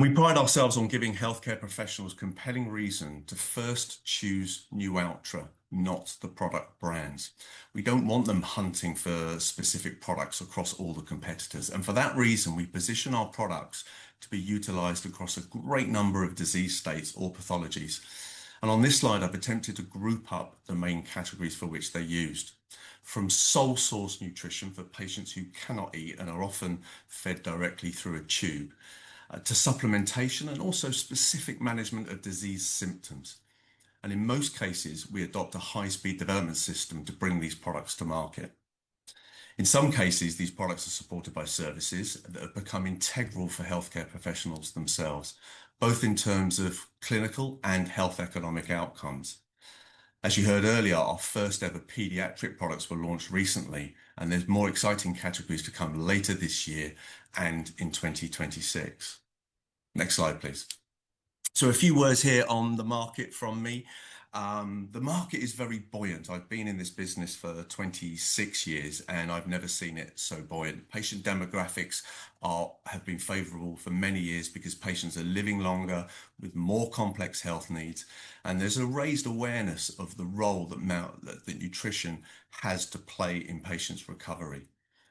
S6: We pride ourselves on giving healthcare professionals compelling reason to first choose Nualtra, not the product brands. We don't want them hunting for specific products across all the competitors, and for that reason, we position our products to be utilized across a great number of disease states or pathologies. On this slide, I've attempted to group up the main categories for which they're used, from sole-source nutrition for patients who cannot eat and are often fed directly through a tube to supplementation and also specific management of disease symptoms. In most cases, we adopt a high-speed development system to bring these products to market. In some cases, these products are supported by services that have become integral for healthcare professionals themselves, both in terms of clinical and health economic outcomes. As you heard earlier, our first-ever paediatric products were launched recently, and there's more exciting categories to come later this year and in 2026. Next slide, please. A few words here on the market from me. The market is very buoyant. I've been in this business for 26 years, and I've never seen it so buoyant. Patient demographics have been favorable for many years because patients are living longer with more complex health needs, and there's a raised awareness of the role that nutrition has to play in patients' recovery.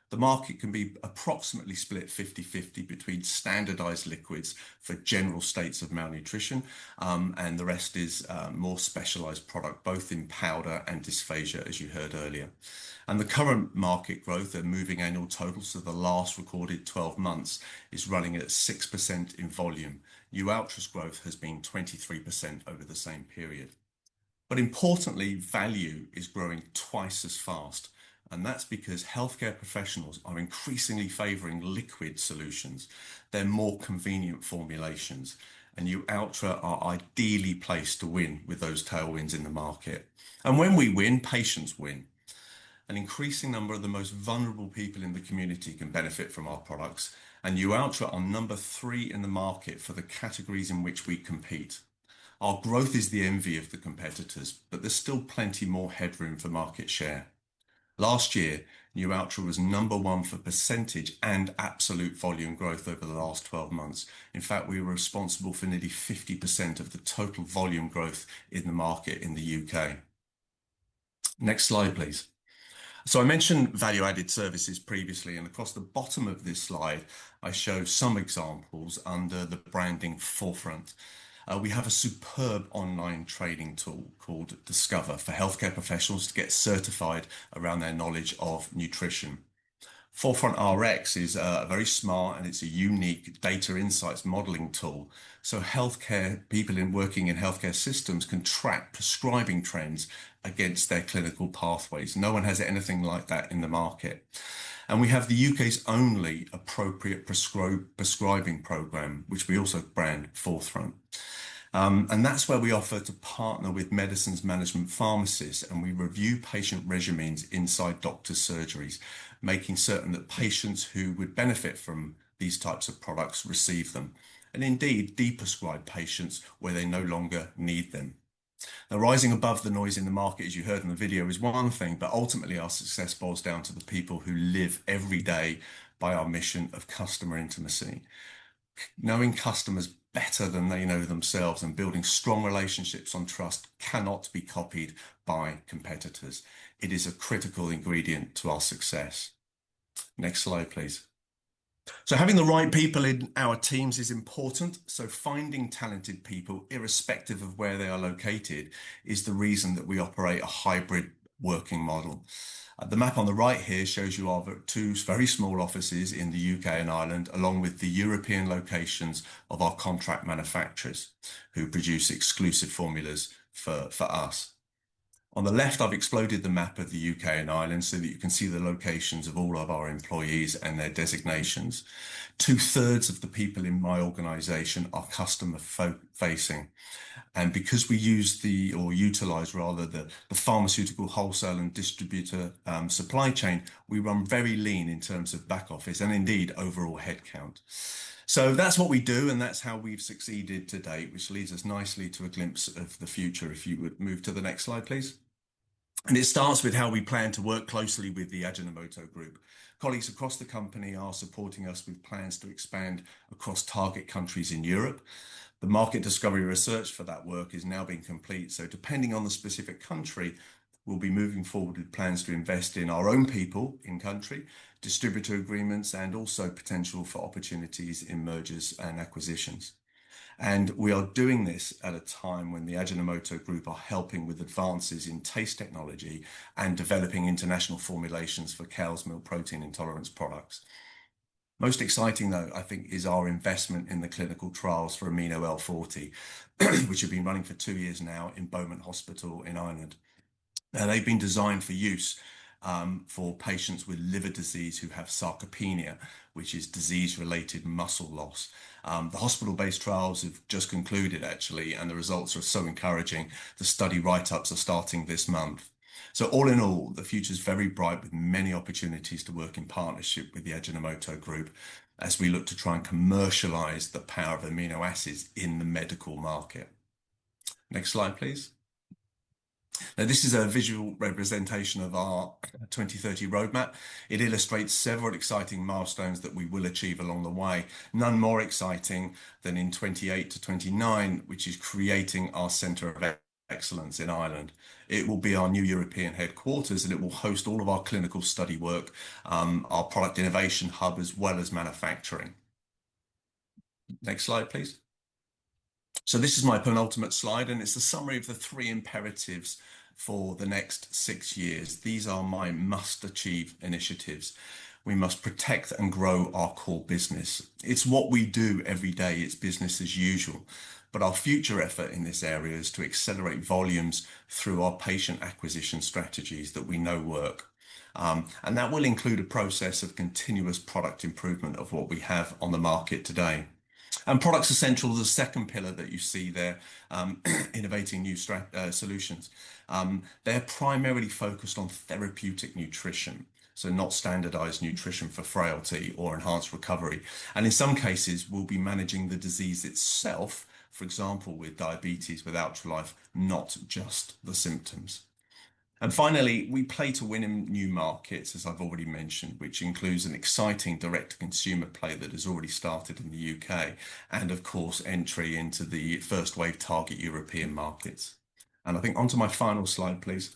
S6: The market can be approximately split 50/50 between standardized liquids for general states of malnutrition, and the rest is more specialized product, both in powder and dysphagia, as you heard earlier. The current market growth, the moving annual totals of the last recorded 12 months, is running at 6% in volume. Nualtra's growth has been 23% over the same period. Importantly, value is growing twice as fast, and that's because healthcare professionals are increasingly favoring liquid solutions. They're more convenient formulations, and Nualtra are ideally placed to win with those tailwinds in the market. When we win, patients win. An increasing number of the most vulnerable people in the community can benefit from our products, and New Ultra is number three in the market for the categories in which we compete. Our growth is the envy of the competitors, but there's still plenty more headroom for market share. Last year, Nualtra was number one for percentage and absolute volume growth over the last 12 months. In fact, we were responsible for nearly 50% of the total volume growth in the market in the U.K. Next slide, please. I mentioned value-added services previously, and across the bottom of this slide, I show some examples under the branding Forefront. We have a superb online training tool called Discover for healthcare professionals to get certified around their knowledge of nutrition. Forefront RX is very smart, and it is a unique data insights modeling tool. Healthcare people working in healthcare systems can track prescribing trends against their clinical pathways. No one has anything like that in the market. We have the U.K.'s only appropriate prescribing program, which we also brand Forefront. That is where we offer to partner with medicines management pharmacists, and we review patient regimens inside doctor surgeries, making certain that patients who would benefit from these types of products receive them and indeed de-prescribe patients where they no longer need them. Now, rising above the noise in the market, as you heard in the video, is one thing, but ultimately, our success boils down to the people who live every day by our mission of customer intimacy. Knowing customers better than they know themselves and building strong relationships on trust cannot be copied by competitors. It is a critical ingredient to our success. Next slide, please. Having the right people in our teams is important. Finding talented people, irrespective of where they are located, is the reason that we operate a hybrid working model. The map on the right here shows you our two very small offices in the U.K. and Ireland, along with the European locations of our contract manufacturers who produce exclusive formulas for us. On the left, I have exploded the map of the U.K. and Ireland so that you can see the locations of all of our employees and their designations. Two-thirds of the people in my organization are customer-facing. Because we use the, or utilize rather, the pharmaceutical wholesale and distributor supply chain, we run very lean in terms of back office and indeed overall headcount. That is what we do, and that is how we have succeeded to date, which leads us nicely to a glimpse of the future. If you would move to the next slide, please. It starts with how we plan to work closely with the Ajinomoto Group. Colleagues across the company are supporting us with plans to expand across target countries in Europe. The market discovery research for that work is now being complete. Depending on the specific country, we will be moving forward with plans to invest in our own people in country, distributor agreements, and also potential for opportunities in mergers and acquisitions. We are doing this at a time when the Ajinomoto Group are helping with advances in taste technology and developing international formulations for Kalesmil protein intolerance products. Most exciting, though, I think, is our investment in the clinical trials for Amino L40, which have been running for two years now in Beaumont Hospital in Ireland. They have been designed for use for patients with liver disease who have sarcopenia, which is disease-related muscle loss. The hospital-based trials have just concluded, actually, and the results are so encouraging. The study write-ups are starting this month. All in all, the future is very bright with many opportunities to work in partnership with the Ajinomoto Group as we look to try and commercialize the power of amino acids in the medical market. Next slide, please. This is a visual representation of our 2030 roadmap. It illustrates several exciting milestones that we will achieve along the way. None more exciting than in 2028 to 2029, which is creating our center of excellence in Ireland. It will be our new European headquarters, and it will host all of our clinical study work, our product innovation hub, as well as manufacturing. Next slide, please. This is my penultimate slide, and it is the summary of the three imperatives for the next six years. These are my must-achieve initiatives. We must protect and grow our core business. It is what we do every day. It is business as usual. Our future effort in this area is to accelerate volumes through our patient acquisition strategies that we know work. That will include a process of continuous product improvement of what we have on the market today. Products are central to the second pillar that you see there, innovating new solutions. They're primarily focused on therapeutic nutrition, so not standardized nutrition for frailty or enhanced recovery. In some cases, we'll be managing the disease itself, for example, with diabetes, with Ultra Life, not just the symptoms. Finally, we play to win in new markets, as I've already mentioned, which includes an exciting direct-to-consumer play that has already started in the U.K., and of course, entry into the first wave target European markets. I think onto my final slide, please.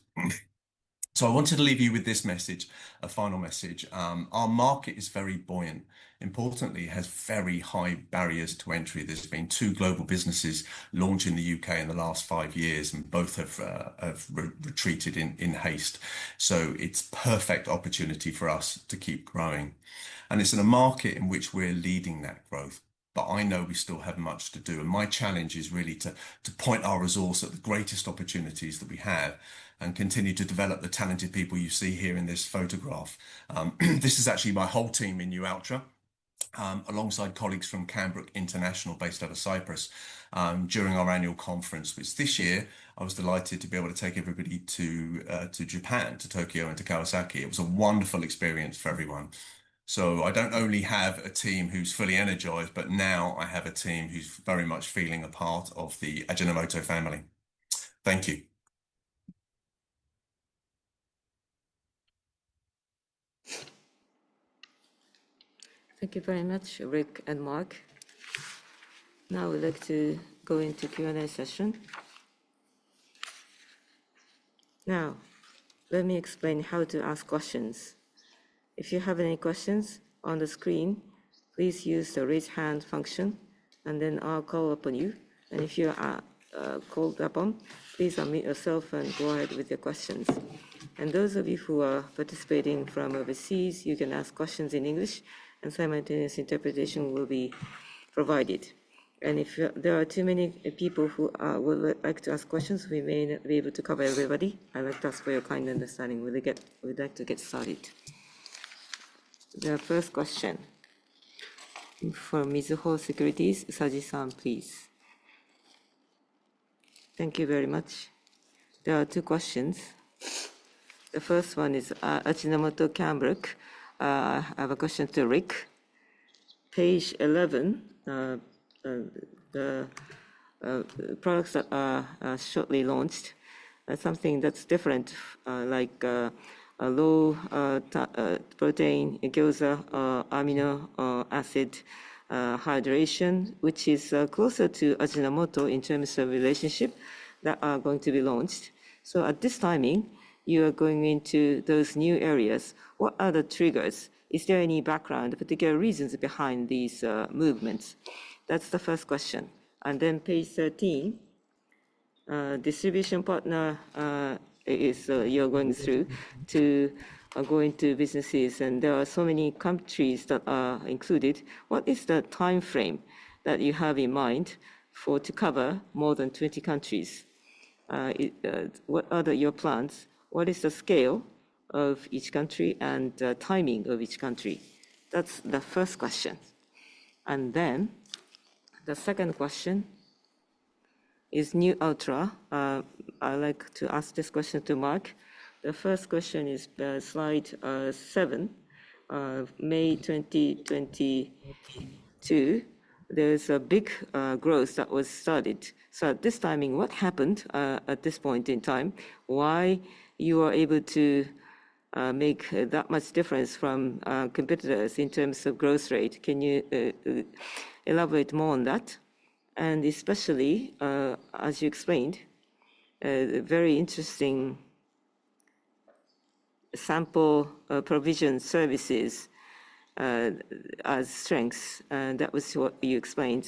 S6: I wanted to leave you with this message, a final message. Our market is very buoyant. Importantly, it has very high barriers to entry. There have been two global businesses launched in the U.K. in the last five years, and both have retreated in haste. It is a perfect opportunity for us to keep growing. It is in a market in which we are leading that growth. I know we still have much to do. My challenge is really to point our resource at the greatest opportunities that we have and continue to develop the talented people you see here in this photograph. This is actually my whole team in Nualtra, alongside colleagues from Cambrooke International based out of Cyprus during our annual conference. This year, I was delighted to be able to take everybody to Japan, to Tokyo, and to Kawasaki. It was a wonderful experience for everyone. I do not only have a team who is fully energized, but now I have a team who is very much feeling a part of the Ajinomoto family. Thank you.
S1: Thank you very much, Rick and Mark. Now we would like to go into Q&A session. Now, let me explain how to ask questions. If you have any questions on the screen, please use the raise hand function, and then I'll call upon you. If you are called upon, please unmute yourself and go ahead with your questions. Those of you who are participating from overseas, you can ask questions in English, and simultaneous interpretation will be provided. If there are too many people who would like to ask questions, we may not be able to cover everybody. I'd like to ask for your kind understanding. We'd like to get started. The first question from Mizuho Securities, Saji-san, please. Thank you very much. There are two questions. The first one is Ajinomoto Cambrooke. I have a question to Rick. Page 11, the products that are shortly launched, something that's different, like a low protein eicosaminobutyric acid hydration, which is closer to Ajinomoto in terms of relationship that are going to be launched. At this timing, you are going into those new areas. What are the triggers? Is there any background, particular reasons behind these movements? That's the first question. Page 13, distribution partner is you're going through to go into businesses, and there are so many countries that are included. What is the time frame that you have in mind to cover more than 20 countries? What are your plans? What is the scale of each country and the timing of each country? That's the first question. The second question is Nualtra. I'd like to ask this question to Mark. The first question is slide 7, May 2022. There's a big growth that was started. At this timing, what happened at this point in time? Why are you able to make that much difference from competitors in terms of growth rate? Can you elaborate more on that? Especially, as you explained, very interesting sample provision services as strengths. That was what you explained.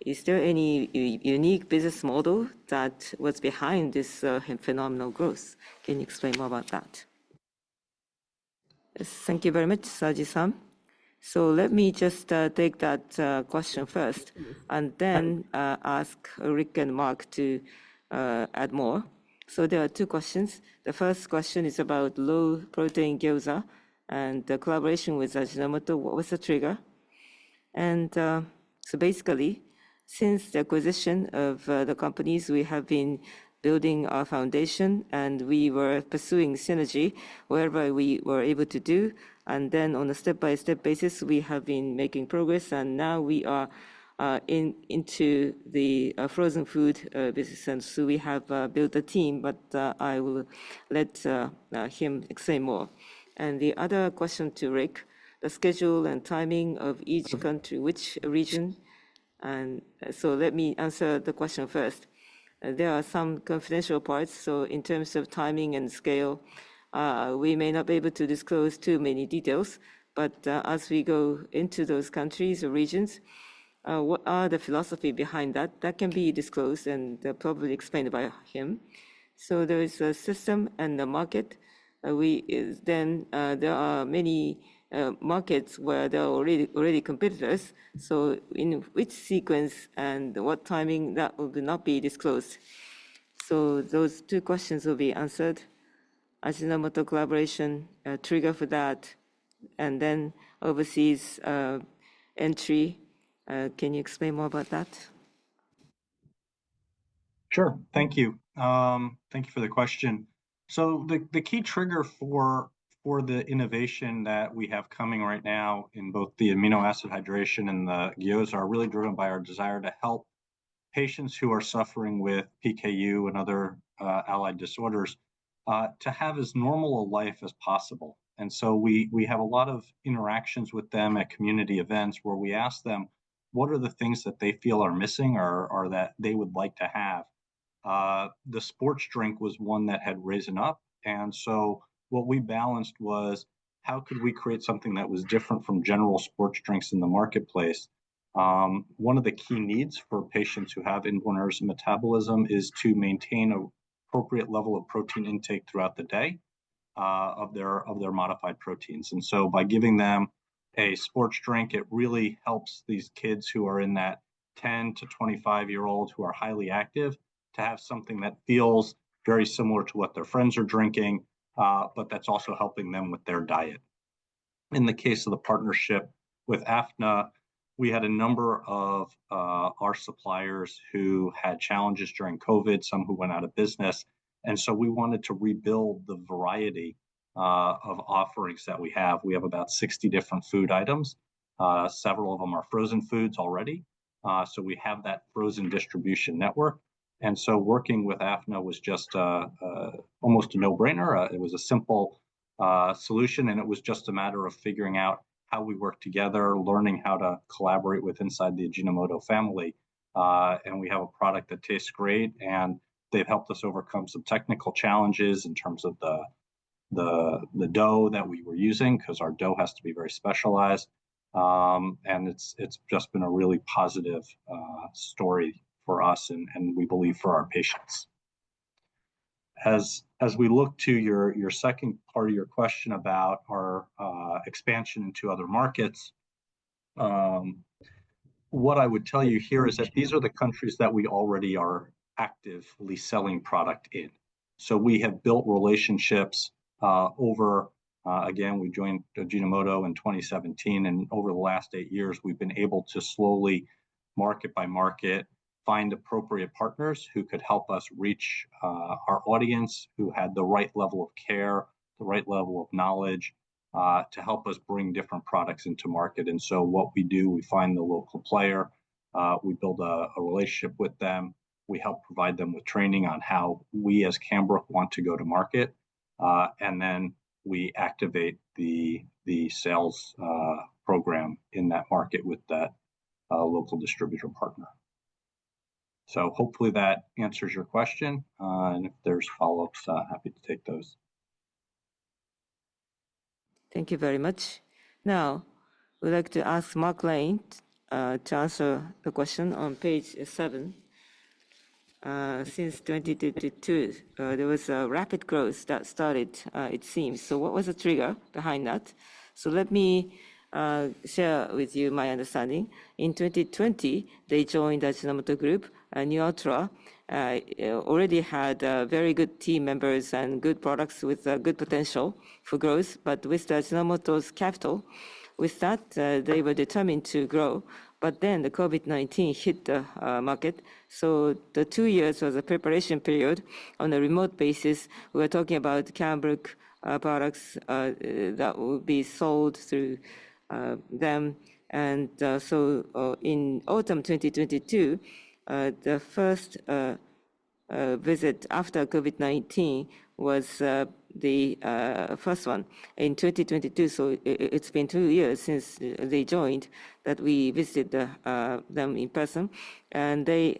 S1: Is there any unique business model that was behind this phenomenal growth? Can you explain more about that? Thank you very much, Saji-San. Let me just take that question first and then ask Rick and Mark to add more. There are two questions. The first question is about low-protein gyoza and the collaboration with Ajinomoto, what was the trigger? Basically, since the acquisition of the companies, we have been building our foundation, and we were pursuing synergy wherever we were able to do. On a step-by-step basis, we have been making progress. Now we are into the frozen food business. We have built a team, but I will let him explain more. The other question to Rick, the schedule and timing of each country, which region? Let me answer the question first. There are some confidential parts. In terms of timing and scale, we may not be able to disclose too many details. As we go into those countries or regions, what is the philosophy behind that? That can be disclosed and probably explained by him. There is a system and a market. There are many markets where there are already competitors. In which sequence and what timing, that will not be disclosed. Those two questions will be answered. Ajinomoto collaboration, trigger for that, and then overseas entry. Can you explain more about that?
S4: Sure. Thank you. Thank you for the question. The key trigger for the innovation that we have coming right now in both the amino acid hydration and the years are really driven by our desire to help patients who are suffering with PKU and other allied disorders to have as normal a life as possible. We have a lot of interactions with them at community events where we ask them, what are the things that they feel are missing or that they would like to have? The sports drink was one that had risen up. What we balanced was, how could we create something that was different from general sports drinks in the marketplace? One of the key needs for patients who have insulin-resistant metabolism is to maintain an appropriate level of protein intake throughout the day of their modified proteins. By giving them a sports drink, it really helps these kids who are in that 10-25-year-old who are highly active to have something that feels very similar to what their friends are drinking, but that's also helping them with their diet. In the case of the partnership with AFNA, we had a number of our suppliers who had challenges during COVID, some who went out of business. We wanted to rebuild the variety of offerings that we have. We have about 60 different food items. Several of them are frozen foods already. We have that frozen distribution network. Working with AFNA was just almost a no-brainer. It was a simple solution, and it was just a matter of figuring out how we work together, learning how to collaborate within the Ajinomoto family. We have a product that tastes great, and they have helped us overcome some technical challenges in terms of the dough that we were using because our dough has to be very specialized. It has just been a really positive story for us and we believe for our patients. As we look to your second part of your question about our expansion into other markets, what I would tell you here is that these are the countries that we already are actively selling product in. We have built relationships over, again, we joined Ajinomoto in 2017, and over the last eight years, we have been able to slowly, market-by-market, find appropriate partners who could help us reach our audience who had the right level of care, the right level of knowledge to help us bring different products into market. What we do, we find the local player, we build a relationship with them, we help provide them with training on how we as Cambrooke want to go to market, and then we activate the sales program in that market with that local distributor partner. Hopefully that answers your question. If there are follow-ups, happy to take those.
S1: Thank you very much. Now, we would like to ask Mark Lane to answer the question on page 7. Since 2022, there was a rapid growth that started, it seems. What was the trigger behind that? Let me share with you my understanding. In 2020, they joined Ajinomoto Group. Nualtra already had very good team members and good products with good potential for growth. With Ajinomoto's capital, they were determined to grow. Then COVID-19 hit the market. The two years was a preparation period on a remote basis. We were talking about Cambrooke products that will be sold through them. In autumn 2022, the first visit after COVID-19 was the first one in 2022. It has been two years since they joined that we visited them in person. They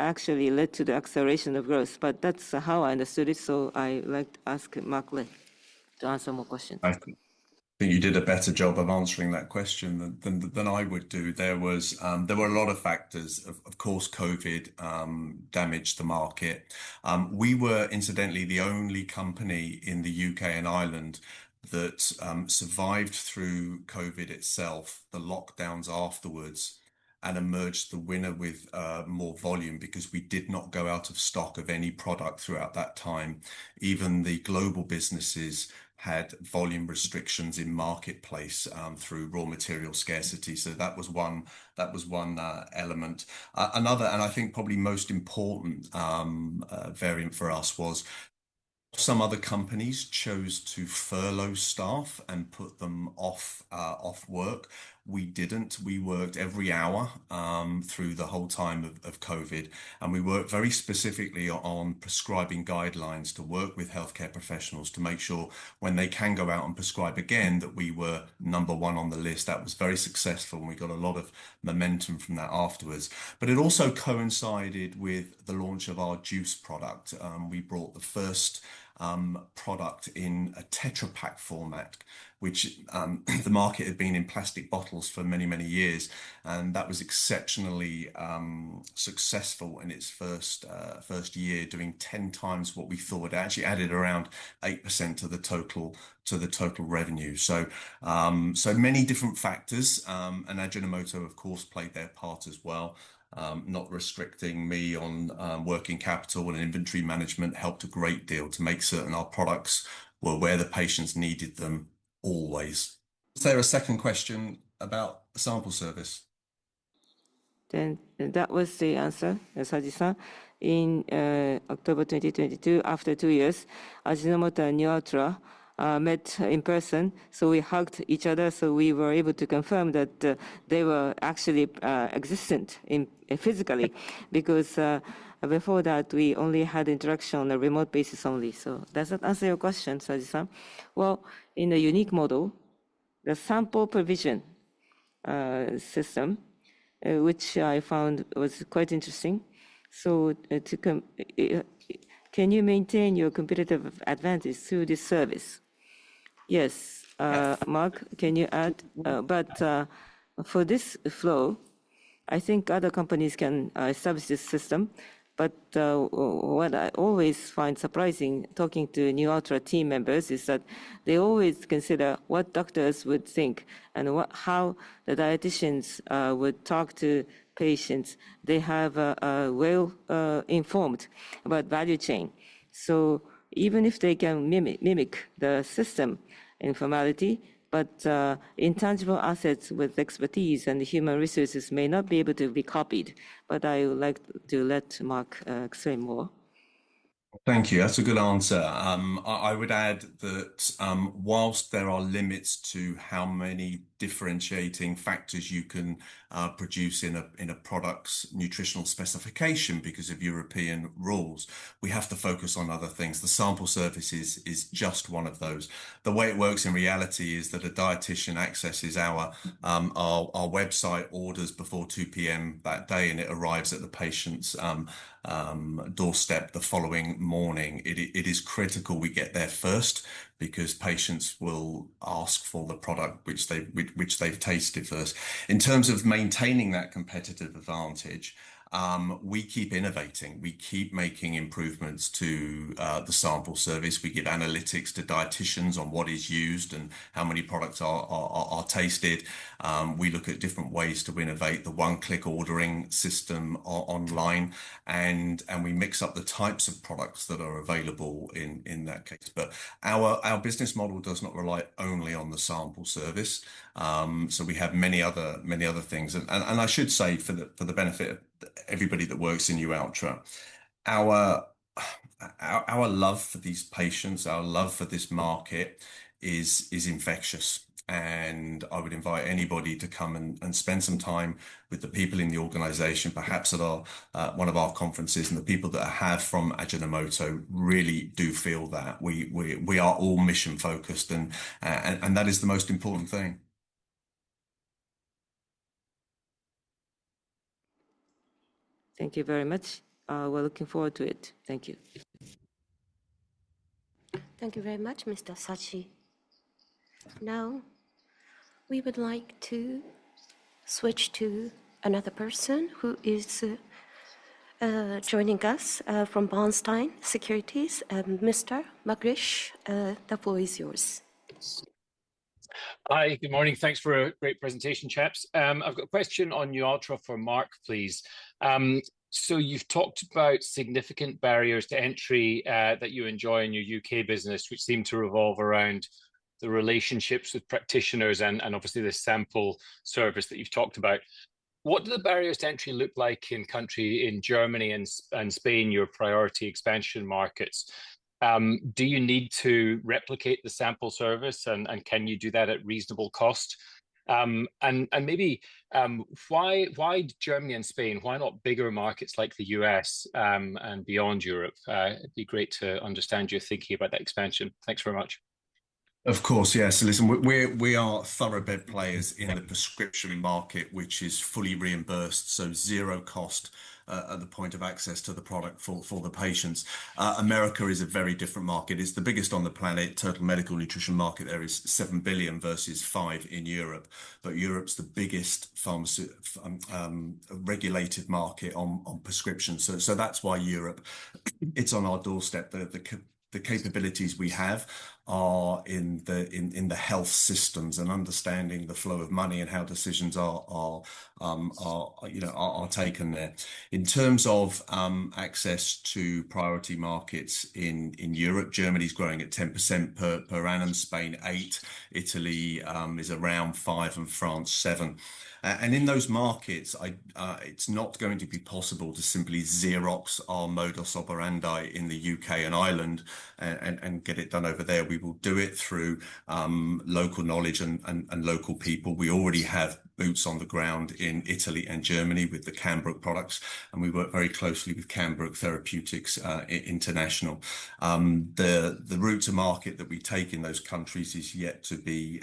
S1: actually led to the acceleration of growth. That is how I understood it. I would like to ask Mark Lane to answer more questions.
S6: I think you did a better job of answering that question than I would do. There were a lot of factors. Of course, COVID damaged the market. We were, incidentally, the only company in the U.K. and Ireland that survived through COVID itself, the lockdowns afterwards, and emerged the winner with more volume because we did not go out of stock of any product throughout that time. Even the global businesses had volume restrictions in marketplace through raw material scarcity. That was one element. Another, and I think probably most important variant for us was some other companies chose to furlough staff and put them off work. We did not. We worked every hour through the whole time of COVID. We worked very specifically on prescribing guidelines to work with healthcare professionals to make sure when they can go out and prescribe again that we were number one on the list. That was very successful. We got a lot of momentum from that afterwards. It also coincided with the launch of our juice product. We brought the first product in a tetrapack format, which the market had been in plastic bottles for many, many years. That was exceptionally successful in its first year, doing 10 times what we thought. It actually added around 8% to the total revenue. So many different factors. Ajinomoto, of course, played their part as well. Not restricting me on working capital and inventory management helped a great deal to make certain our products were where the patients needed them always. Is there a second question about sample service?
S1: That was the answer, Saji-San. In October 2022, after two years, Ajinomoto and Nualtra met in person. We hugged each other. We were able to confirm that they were actually existent physically because before that, we only had interaction on a remote basis only. Does that answer your question, Saji-San? In a unique model, the sample provision system, which I found was quite interesting. Can you maintain your competitive advantage through this service? Yes. Mark, can you add? For this flow, I think other companies can establish this system. What I always find surprising talking to Nualtra team members is that they always consider what doctors would think and how the dietitians would talk to patients. They have a well-informed value chain. Even if they can mimic the system informality, intangible assets with expertise and human resources may not be able to be copied. I would like to let Mark explain more.
S6: Thank you. That's a good answer. I would add that whilst there are limits to how many differentiating factors you can produce in a product's nutritional specification because of European rules, we have to focus on other things. The sample service is just one of those. The way it works in reality is that a dietitian accesses our website, orders before 2:00 P.M. that day, and it arrives at the patient's doorstep the following morning. It is critical we get there first because patients will ask for the product which they've tasted first. In terms of maintaining that competitive advantage, we keep innovating. We keep making improvements to the sample service. We give analytics to dietitians on what is used and how many products are tasted. We look at different ways to innovate the one-click ordering system online. We mix up the types of products that are available in that case. Our business model does not rely only on the sample service. We have many other things. I should say for the benefit of everybody that works in Nualtra, our love for these patients, our love for this market is infectious. I would invite anybody to come and spend some time with the people in the organization, perhaps at one of our conferences. The people that I have from Ajinomoto really do feel that. We are all mission-focused. That is the most important thing.
S1: Thank you very much. We're looking forward to it. Thank you.
S9: Thank you very much, Mr. Saji. Now, we would like to switch to another person who is joining us from Bernstein Securities. Mr. McLeish, the floor is yours. Hi. Good morning.
S10: Thanks for a great presentation, chaps. I've got a question on Nualtra for Mark, please. You have talked about significant barriers to entry that you enjoy in your U.K. business, which seem to revolve around the relationships with practitioners and obviously the sample service that you have talked about. What do the barriers to entry look like in countries in Germany and Spain, your priority expansion markets? Do you need to replicate the sample service? Can you do that at reasonable cost? Maybe why Germany and Spain? Why not bigger markets like the U.S. and beyond Europe? It would be great to understand your thinking about that expansion. Thanks very much.
S6: Of course, yes. Listen, we are thoroughbred players in the prescription market, which is fully reimbursed. Zero cost at the point of access to the product for the patients. America is a very different market. It is the biggest on the planet. Total medical nutrition market there is $7 billion versus $5 billion in Europe. Europe's the biggest regulated market on prescription. That's why Europe, it's on our doorstep. The capabilities we have are in the health systems and understanding the flow of money and how decisions are taken there. In terms of access to priority markets in Europe, Germany's growing at 10% per annum, Spain 8%, Italy is around 5%, and France 7%. In those markets, it's not going to be possible to simply Xerox our mode of sober and diet in the U.K. and Ireland and get it done over there. We will do it through local knowledge and local people. We already have boots on the ground in Italy and Germany with the Cambrooke products. We work very closely with Cambrooke Therapeutics International. The route to market that we take in those countries is yet to be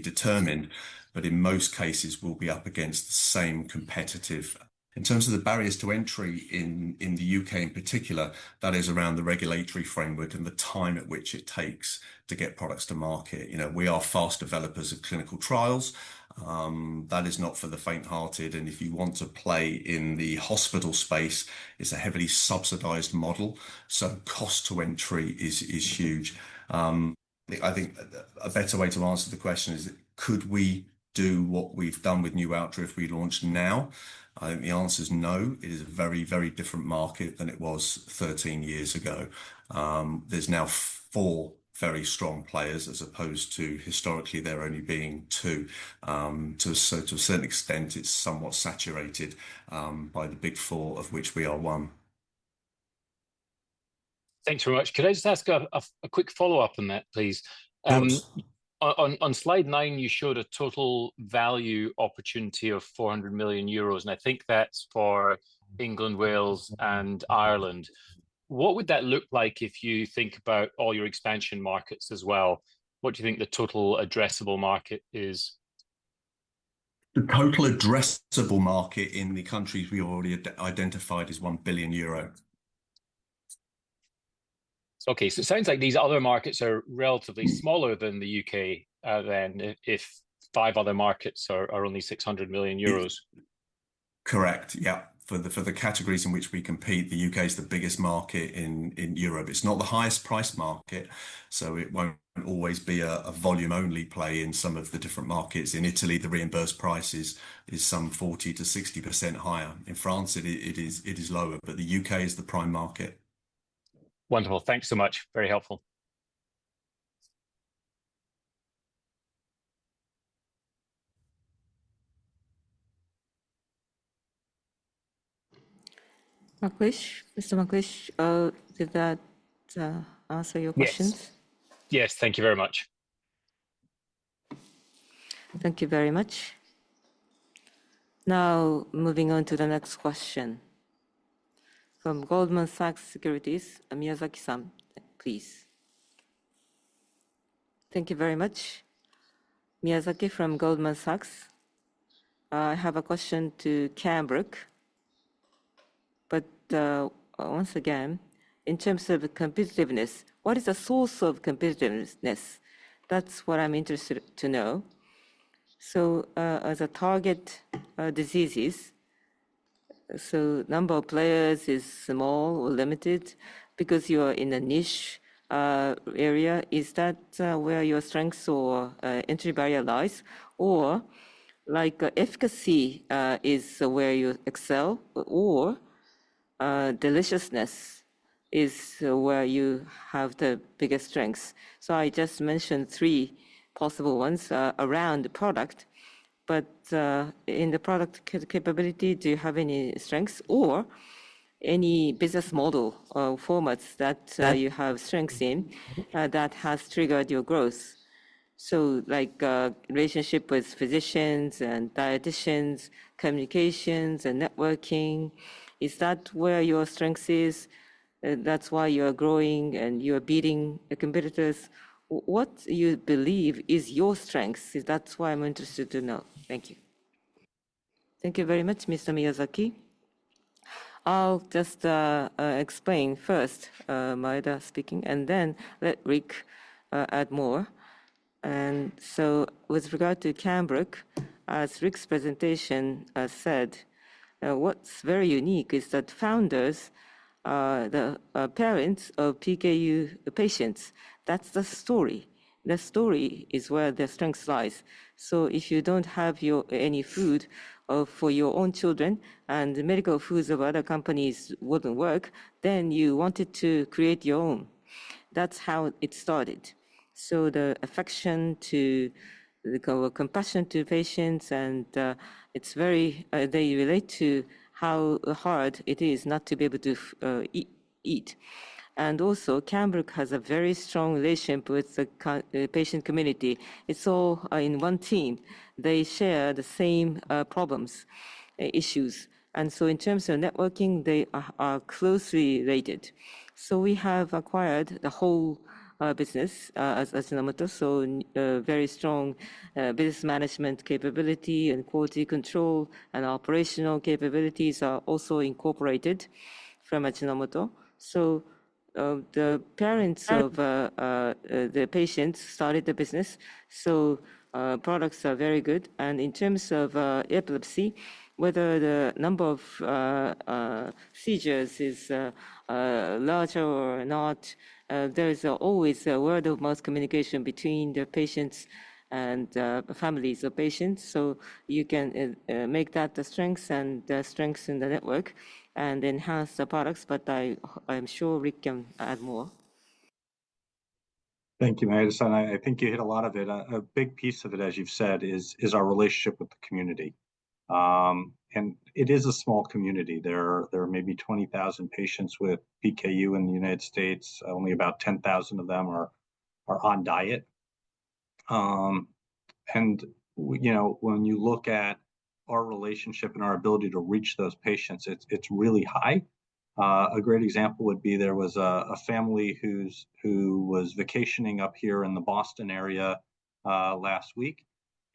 S6: determined. In most cases, we'll be up against the same competitive. In terms of the barriers to entry in the U.K. in particular, that is around the regulatory framework and the time at which it takes to get products to market. We are fast developers of clinical trials. That is not for the faint-hearted. If you want to play in the hospital space, it's a heavily subsidized model. Cost to entry is huge. I think a better way to answer the question is, could we do what we've done with Nualtra if we launch now? I think the answer is no. It is a very, very different market than it was 13 years ago. There's now four very strong players as opposed to historically there only being two. To a certain extent, it's somewhat saturated by the big four, of which we are one.
S10: Thanks very much. Could I just ask a quick follow-up on that, please? On slide nine, you showed a total value opportunity of 400 million euros. And I think that's for England, Wales, and Ireland. What would that look like if you think about all your expansion markets as well? What do you think the total addressable market is?
S6: The total addressable market in the countries we already identified is 1 billion euro.
S10: Okay. It sounds like these other markets are relatively smaller than the U.K. then if five other markets are only 600 million euros. Correct.
S6: Yep. For the categories in which we compete, the U.K. is the biggest market in Europe. It's not the highest priced market. It will not always be a volume-only play in some of the different markets. In Italy, the reimbursed price is some 40%-60% higher. In France, it is lower. But the U.K. is the prime market.
S10: Wonderful. Thanks so much. Very helpful.
S1: Mr. McLeish, did that answer your questions?
S10: Yes. Thank you very much.
S1: Thank you very much. Now, moving on to the next question from Goldman Sachs Securities, Miyazaki-san, please. Thank you very much. Miyazaki from Goldman Sachs. I have a question to Cambrooke. But once again, in terms of competitiveness, what is the source of competitiveness? That's what I'm interested to know. As a target diseases, so number of players is small or limited because you are in a niche area. Is that where your strengths or entry barrier lies? Or efficacy is where you excel? Or deliciousness is where you have the biggest strengths? I just mentioned three possible ones around the product. In the product capability, do you have any strengths or any business model formats that you have strengths in that has triggered your growth? Relationship with physicians and dietitians, communications and networking, is that where your strength is? That is why you are growing and you are beating the competitors. What do you believe is your strength? That is why I am interested to know. Thank you. Thank you very much, Mr. Miyazaki. I will just explain first, Maeda speaking, and then let Rick add more. With regard to Cambrooke, as Rick's presentation said, what is very unique is that founders, the parents of PKU patients, that is the story. The story is where their strength lies. If you do not have any food for your own children and the medical foods of other companies would not work, then you wanted to create your own. That is how it started. The affection to compassion to patients, and they relate to how hard it is not to be able to eat. Also, Cambrooke has a very strong relationship with the patient community. It is all in one team. They share the same problems, issues. In terms of networking, they are closely related. We have acquired the whole business, Ajinomoto. Very strong business management capability and quality control and operational capabilities are also incorporated from Ajinomoto. The parents of the patients started the business. Products are very good. In terms of epilepsy, whether the number of seizures is larger or not, there is always a word-of-mouth communication between the patients and families of patients. You can make that the strengths and the strengths in the network and enhance the products. I am sure Rick can add more.
S4: Thank you, Maeda. I think you hit a lot of it. A big piece of it, as you've said, is our relationship with the community. It is a small community. There are maybe 20,000 patients with PKU in the United States. Only about 10,000 of them are on diet. When you look at our relationship and our ability to reach those patients, it's really high. A great example would be there was a family who was vacationing up here in the Boston area last week.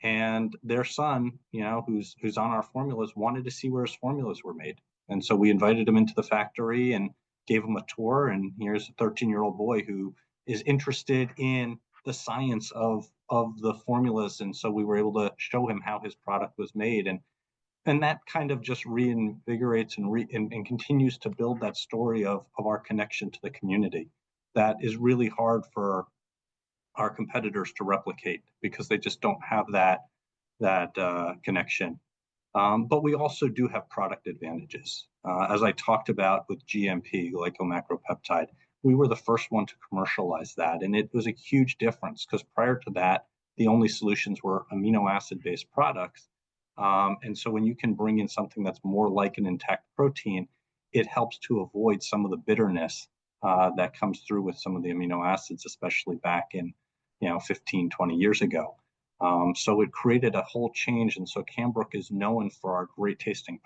S4: Their son, who's on our formulas, wanted to see where his formulas were made. We invited him into the factory and gave him a tour. Here's a 13-year-old boy who is interested in the science of the formulas. We were able to show him how his product was made. That kind of just reinvigorates and continues to build that story of our connection to the community that is really hard for our competitors to replicate because they just do not have that connection. We also do have product advantages. As I talked about with GMP, glycomacropeptide, we were the first one to commercialize that. It was a huge difference because prior to that, the only solutions were amino acid-based products. When you can bring in something that is more like an intact protein, it helps to avoid some of the bitterness that comes through with some of the amino acids, especially back in 15-20 years ago. It created a whole change. Cambrooke is known for our great tasting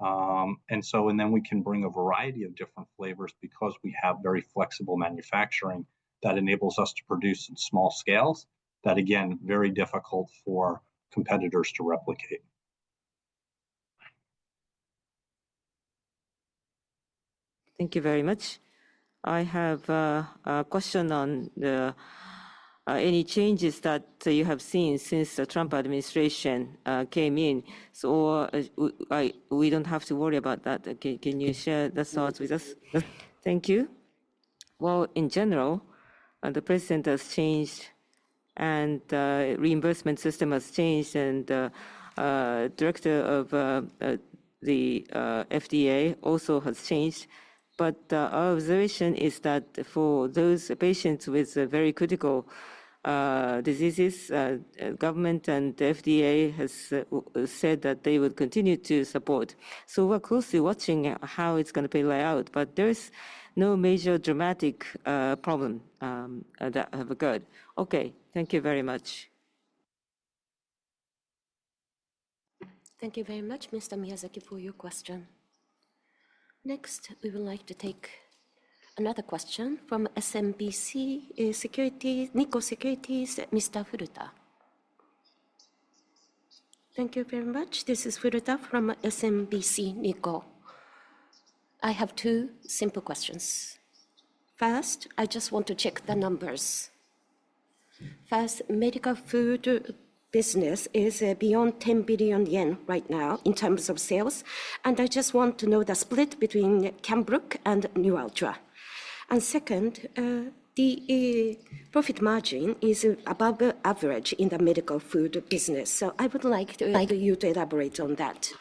S4: products. We can bring a variety of different flavors because we have very flexible manufacturing that enables us to produce in small scales that, again, are very difficult for competitors to replicate.
S1: Thank you very much. I have a question on any changes that you have seen since the Trump administration came in. We do not have to worry about that. Can you share the thoughts with us? Thank you. In general, the president has changed and the reimbursement system has changed. The director of the FDA also has changed. Our observation is that for those patients with very critical diseases, government and the FDA have said that they will continue to support. We are closely watching how it is going to play out. There is no major dramatic problem that has occurred. Thank you very much.
S3: Thank you very much, Mr. Miyazaki, for your question. Next, we would like to take another question from SMBC Nikko Securities, Mr. Furuta. Thank you very much. This is Furuta from SMBC Nikko. I have two simple questions. First, I just want to check the numbers. First, medical food business is beyond 10 billion yen right now in terms of sales. I just want to know the split between Cambrooke and Nualtra. The profit margin is above average in the medical food business. I would like you to elaborate on that.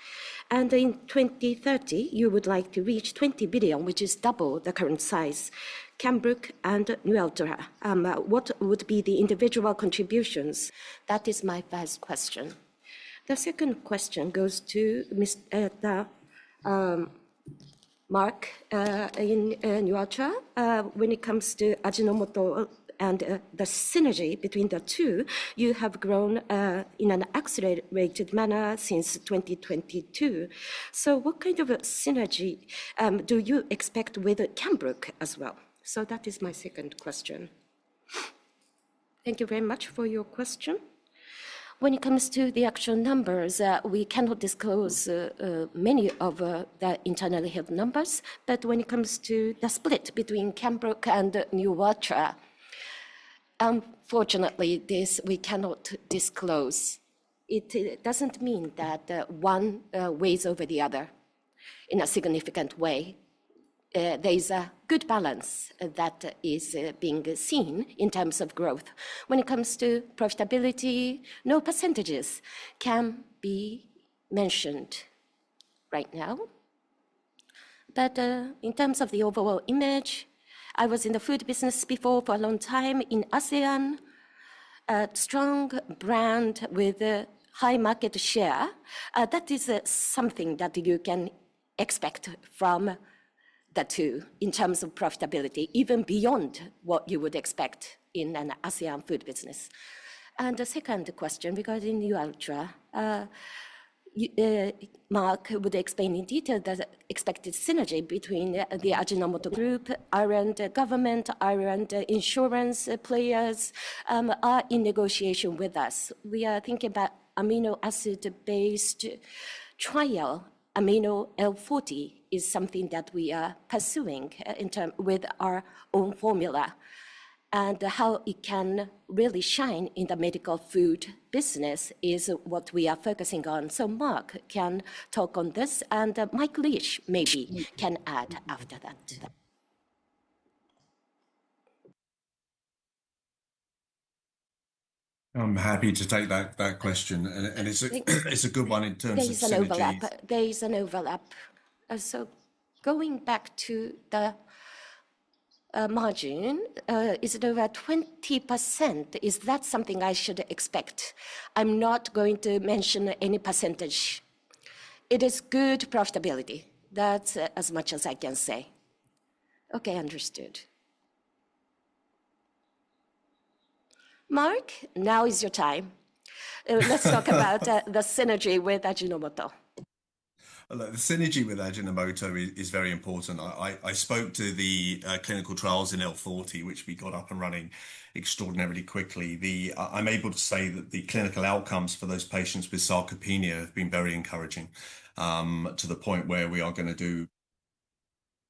S3: In 2030, you would like to reach 20 billion, which is double the current size. Cambrooke and Nualtra, what would be the individual contributions? That is my first question. The second question goes to Mr. Mark in Nualtra. When it comes to Ajinomoto and the synergy between the two, you have grown in an accelerated manner since 2022. What kind of synergy do you expect with Cambrooke as well? That is my second question. Thank you very much for your question. When it comes to the actual numbers, we cannot disclose many of the internal health numbers. When it comes to the split between Cambrooke and Nualtra, unfortunately, this we cannot disclose. It does not mean that one weighs over the other in a significant way. There is a good balance that is being seen in terms of growth. When it comes to profitability, no percentages can be mentioned right now. In terms of the overall image, I was in the food business before for a long time in ASEAN, a strong brand with a high market share. That is something that you can expect from the two in terms of profitability, even beyond what you would expect in an ASEAN food business. The second question regarding New Ultra, Mark would explain in detail the expected synergy between the Ajinomoto group, Ireland government, Ireland insurance players are in negotiation with us. We are thinking about amino acid-based trial. Amino L40 is something that we are pursuing with our own formula. How it can really shine in the medical food business is what we are focusing on. Mark can talk on this. Mike Lish maybe can add after that. I'm happy to take that question. It's a good one in terms of synergy. There is an overlap. Going back to the margin, is it over 20%? Is that something I should expect? I'm not going to mention any percentage. It is good profitability. That's as much as I can say. Okay. Understood. Mark, now is your time. Let's talk about the synergy with Ajinomoto.
S6: The synergy with Ajinomoto is very important. I spoke to the clinical trials in L40, which we got up and running extraordinarily quickly. I'm able to say that the clinical outcomes for those patients with sarcopenia have been very encouraging to the point where we are going to do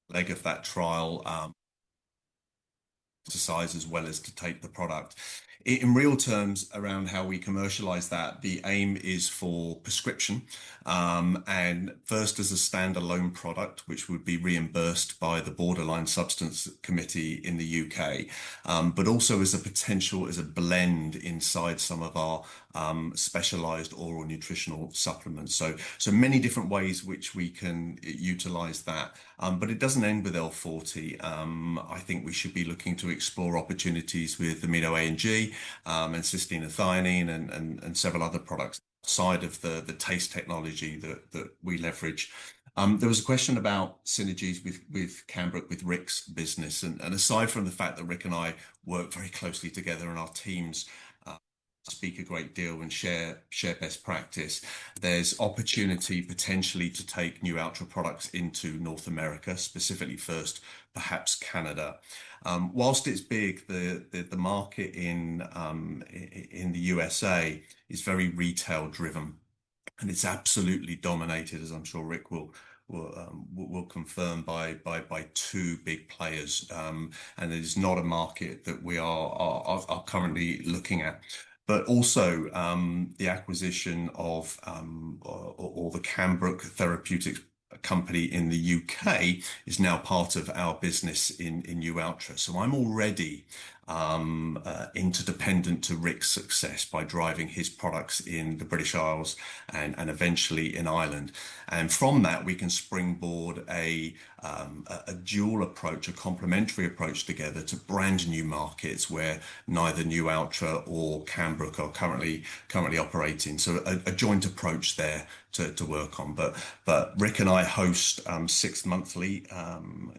S6: a leg of that trial to size as well as to tape the product. In real terms around how we commercialize that, the aim is for prescription. First, as a standalone product, which would be reimbursed by the Borderline Substance Committee in the U.K., but also as a potential as a blend inside some of our specialized oral nutritional supplements. There are many different ways which we can utilize that. It does not end with L40. I think we should be looking to explore opportunities with amino A&G and cysteine and thionine and several other products outside of the TASE technology that we leverage. There was a question about synergies with Cambrooke, with Rick's business. Aside from the fact that Rick and I work very closely together and our teams speak a great deal and share best practice, there is opportunity potentially to take Nualtra products into North America, specifically first, perhaps Canada. Whilst it is big, the market in the U.S.A. is very retail-driven. It is absolutely dominated, as I am sure Rick will confirm, by two big players. It is not a market that we are currently looking at. Also, the acquisition of or the Cambrooke Therapeutics company in the U.K. is now part of our business in Nualtra. I'm already interdependent to Rick's success by driving his products in the British Isles and eventually in Ireland. From that, we can springboard a dual approach, a complementary approach together to brand new markets where neither Nualtra or Cambrooke are currently operating. A joint approach there to work on. Rick and I host six-monthly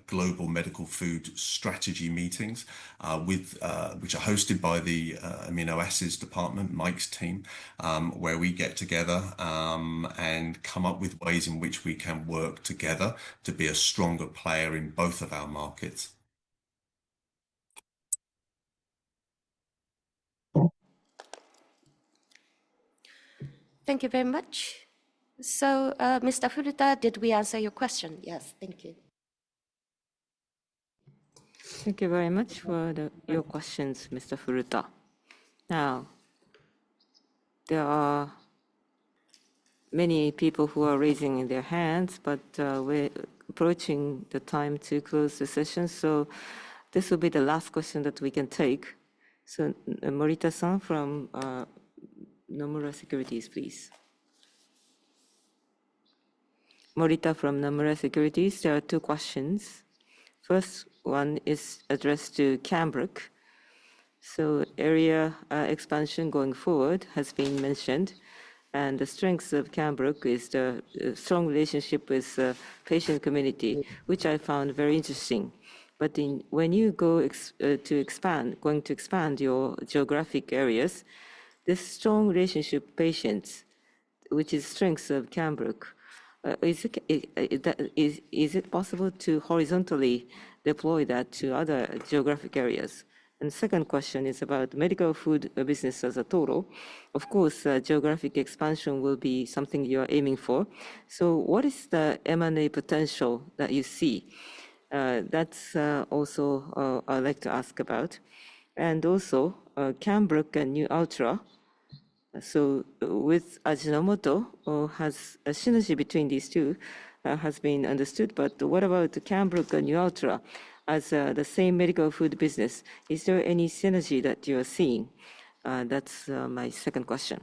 S6: global medical food strategy meetings, which are hosted by the Amino Acids Department, Mike's team, where we get together and come up with ways in which we can work together to be a stronger player in both of our markets.
S9: Thank you very much. Mr. Furuta, did we answer your question? Yes. Thank you.
S1: Thank you very much for your questions, Mr. Furuta. There are many people who are raising their hands, but we're approaching the time to close the session. This will be the last question that we can take. Morita-san from Nomura Securities, please. Morita from Nomura Securities, there are two questions. First one is addressed to Cambrooke. Area expansion going forward has been mentioned. The strengths of Cambrooke is the strong relationship with the patient community, which I found very interesting. When you go to expand, going to expand your geographic areas, this strong relationship with patients, which is a strength of Cambrooke, is it possible to horizontally deploy that to other geographic areas? The second question is about medical food business as a total. Of course, geographic expansion will be something you are aiming for. What is the M&A potential that you see? That is also what I would like to ask about. Also, Cambrooke and Nualtra, so with Ajinomoto, has the synergy between these two been understood? What about Cambrooke and Nualtra as the same medical food business? Is there any synergy that you are seeing? That's my second question.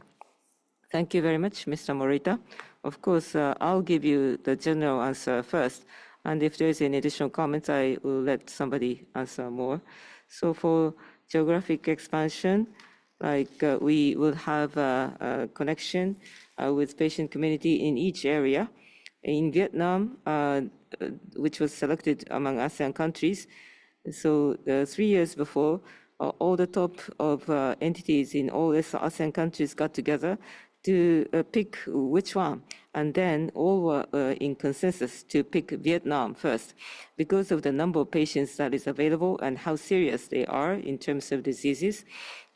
S1: Thank you very much, Mr. Morita. Of course, I'll give you the general answer first. If there are any additional comments, I will let somebody answer more. For geographic expansion, we will have a connection with the patient community in each area. In Vietnam, which was selected among ASEAN countries, three years before, all the top entities in all ASEAN countries got together to pick which one. All were in consensus to pick Vietnam first because of the number of patients that is available and how serious they are in terms of diseases.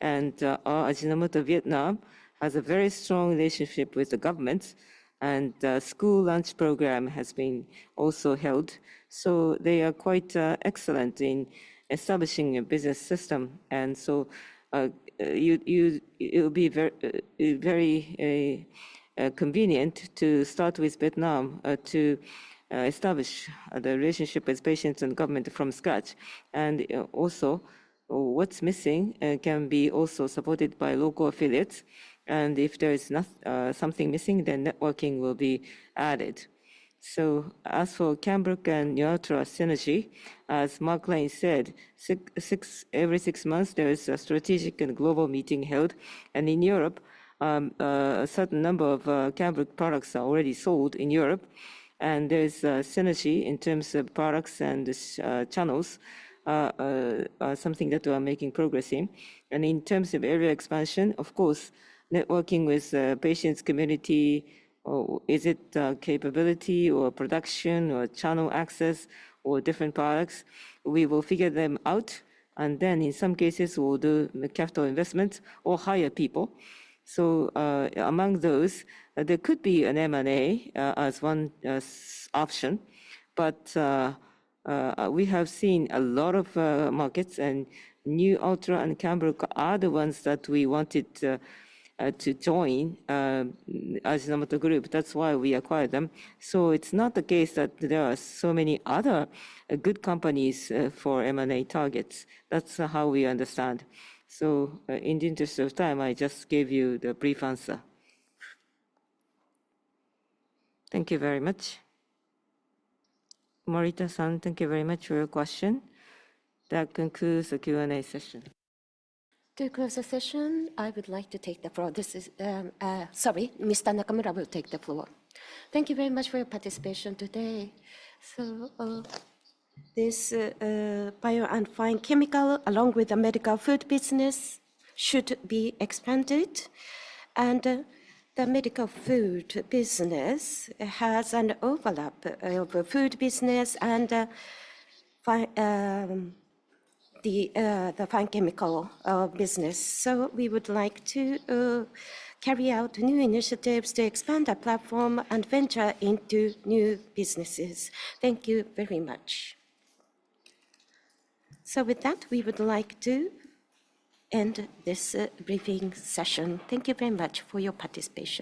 S1: Ajinomoto Vietnam has a very strong relationship with the government. The school lunch program has also been held. They are quite excellent in establishing a business system. It will be very convenient to start with Vietnam to establish the relationship with patients and government from scratch. Also, what is missing can be supported by local affiliates. If there is something missing, then networking will be added. As for Cambrooke and Nualtra synergy, as Mark Lane said, every six months, there is a strategic and global meeting held. In Europe, a certain number of Cambrooke products are already sold in Europe. There is a synergy in terms of products and channels, something that we are making progress in. In terms of area expansion, of course, networking with patients' community, is it capability or production or channel access or different products? We will figure them out. In some cases, we will do capital investment or hire people. Among those, there could be an M&A as one option. We have seen a lot of markets. Nualtra and Cambrooke are the ones that we wanted to join Ajinomoto Group. That is why we acquired them. It is not the case that there are so many other good companies for M&A targets. That is how we understand. In the interest of time, I just gave you the brief answer. Thank you very much. Morita-san, thank you very much for your question. That concludes the Q&A session.
S11: To close the session, I would like to take the floor. Sorry, Mr. Nakamura will take the floor. Thank you very much for your participation today. This bio and fine chemical, along with the medical food business, should be expanded. The medical food business has an overlap of food business and the fine chemical business. We would like to carry out new initiatives to expand our platform and venture into new businesses. Thank you very much. With that, we would like to end this briefing session. Thank you very much for your participation.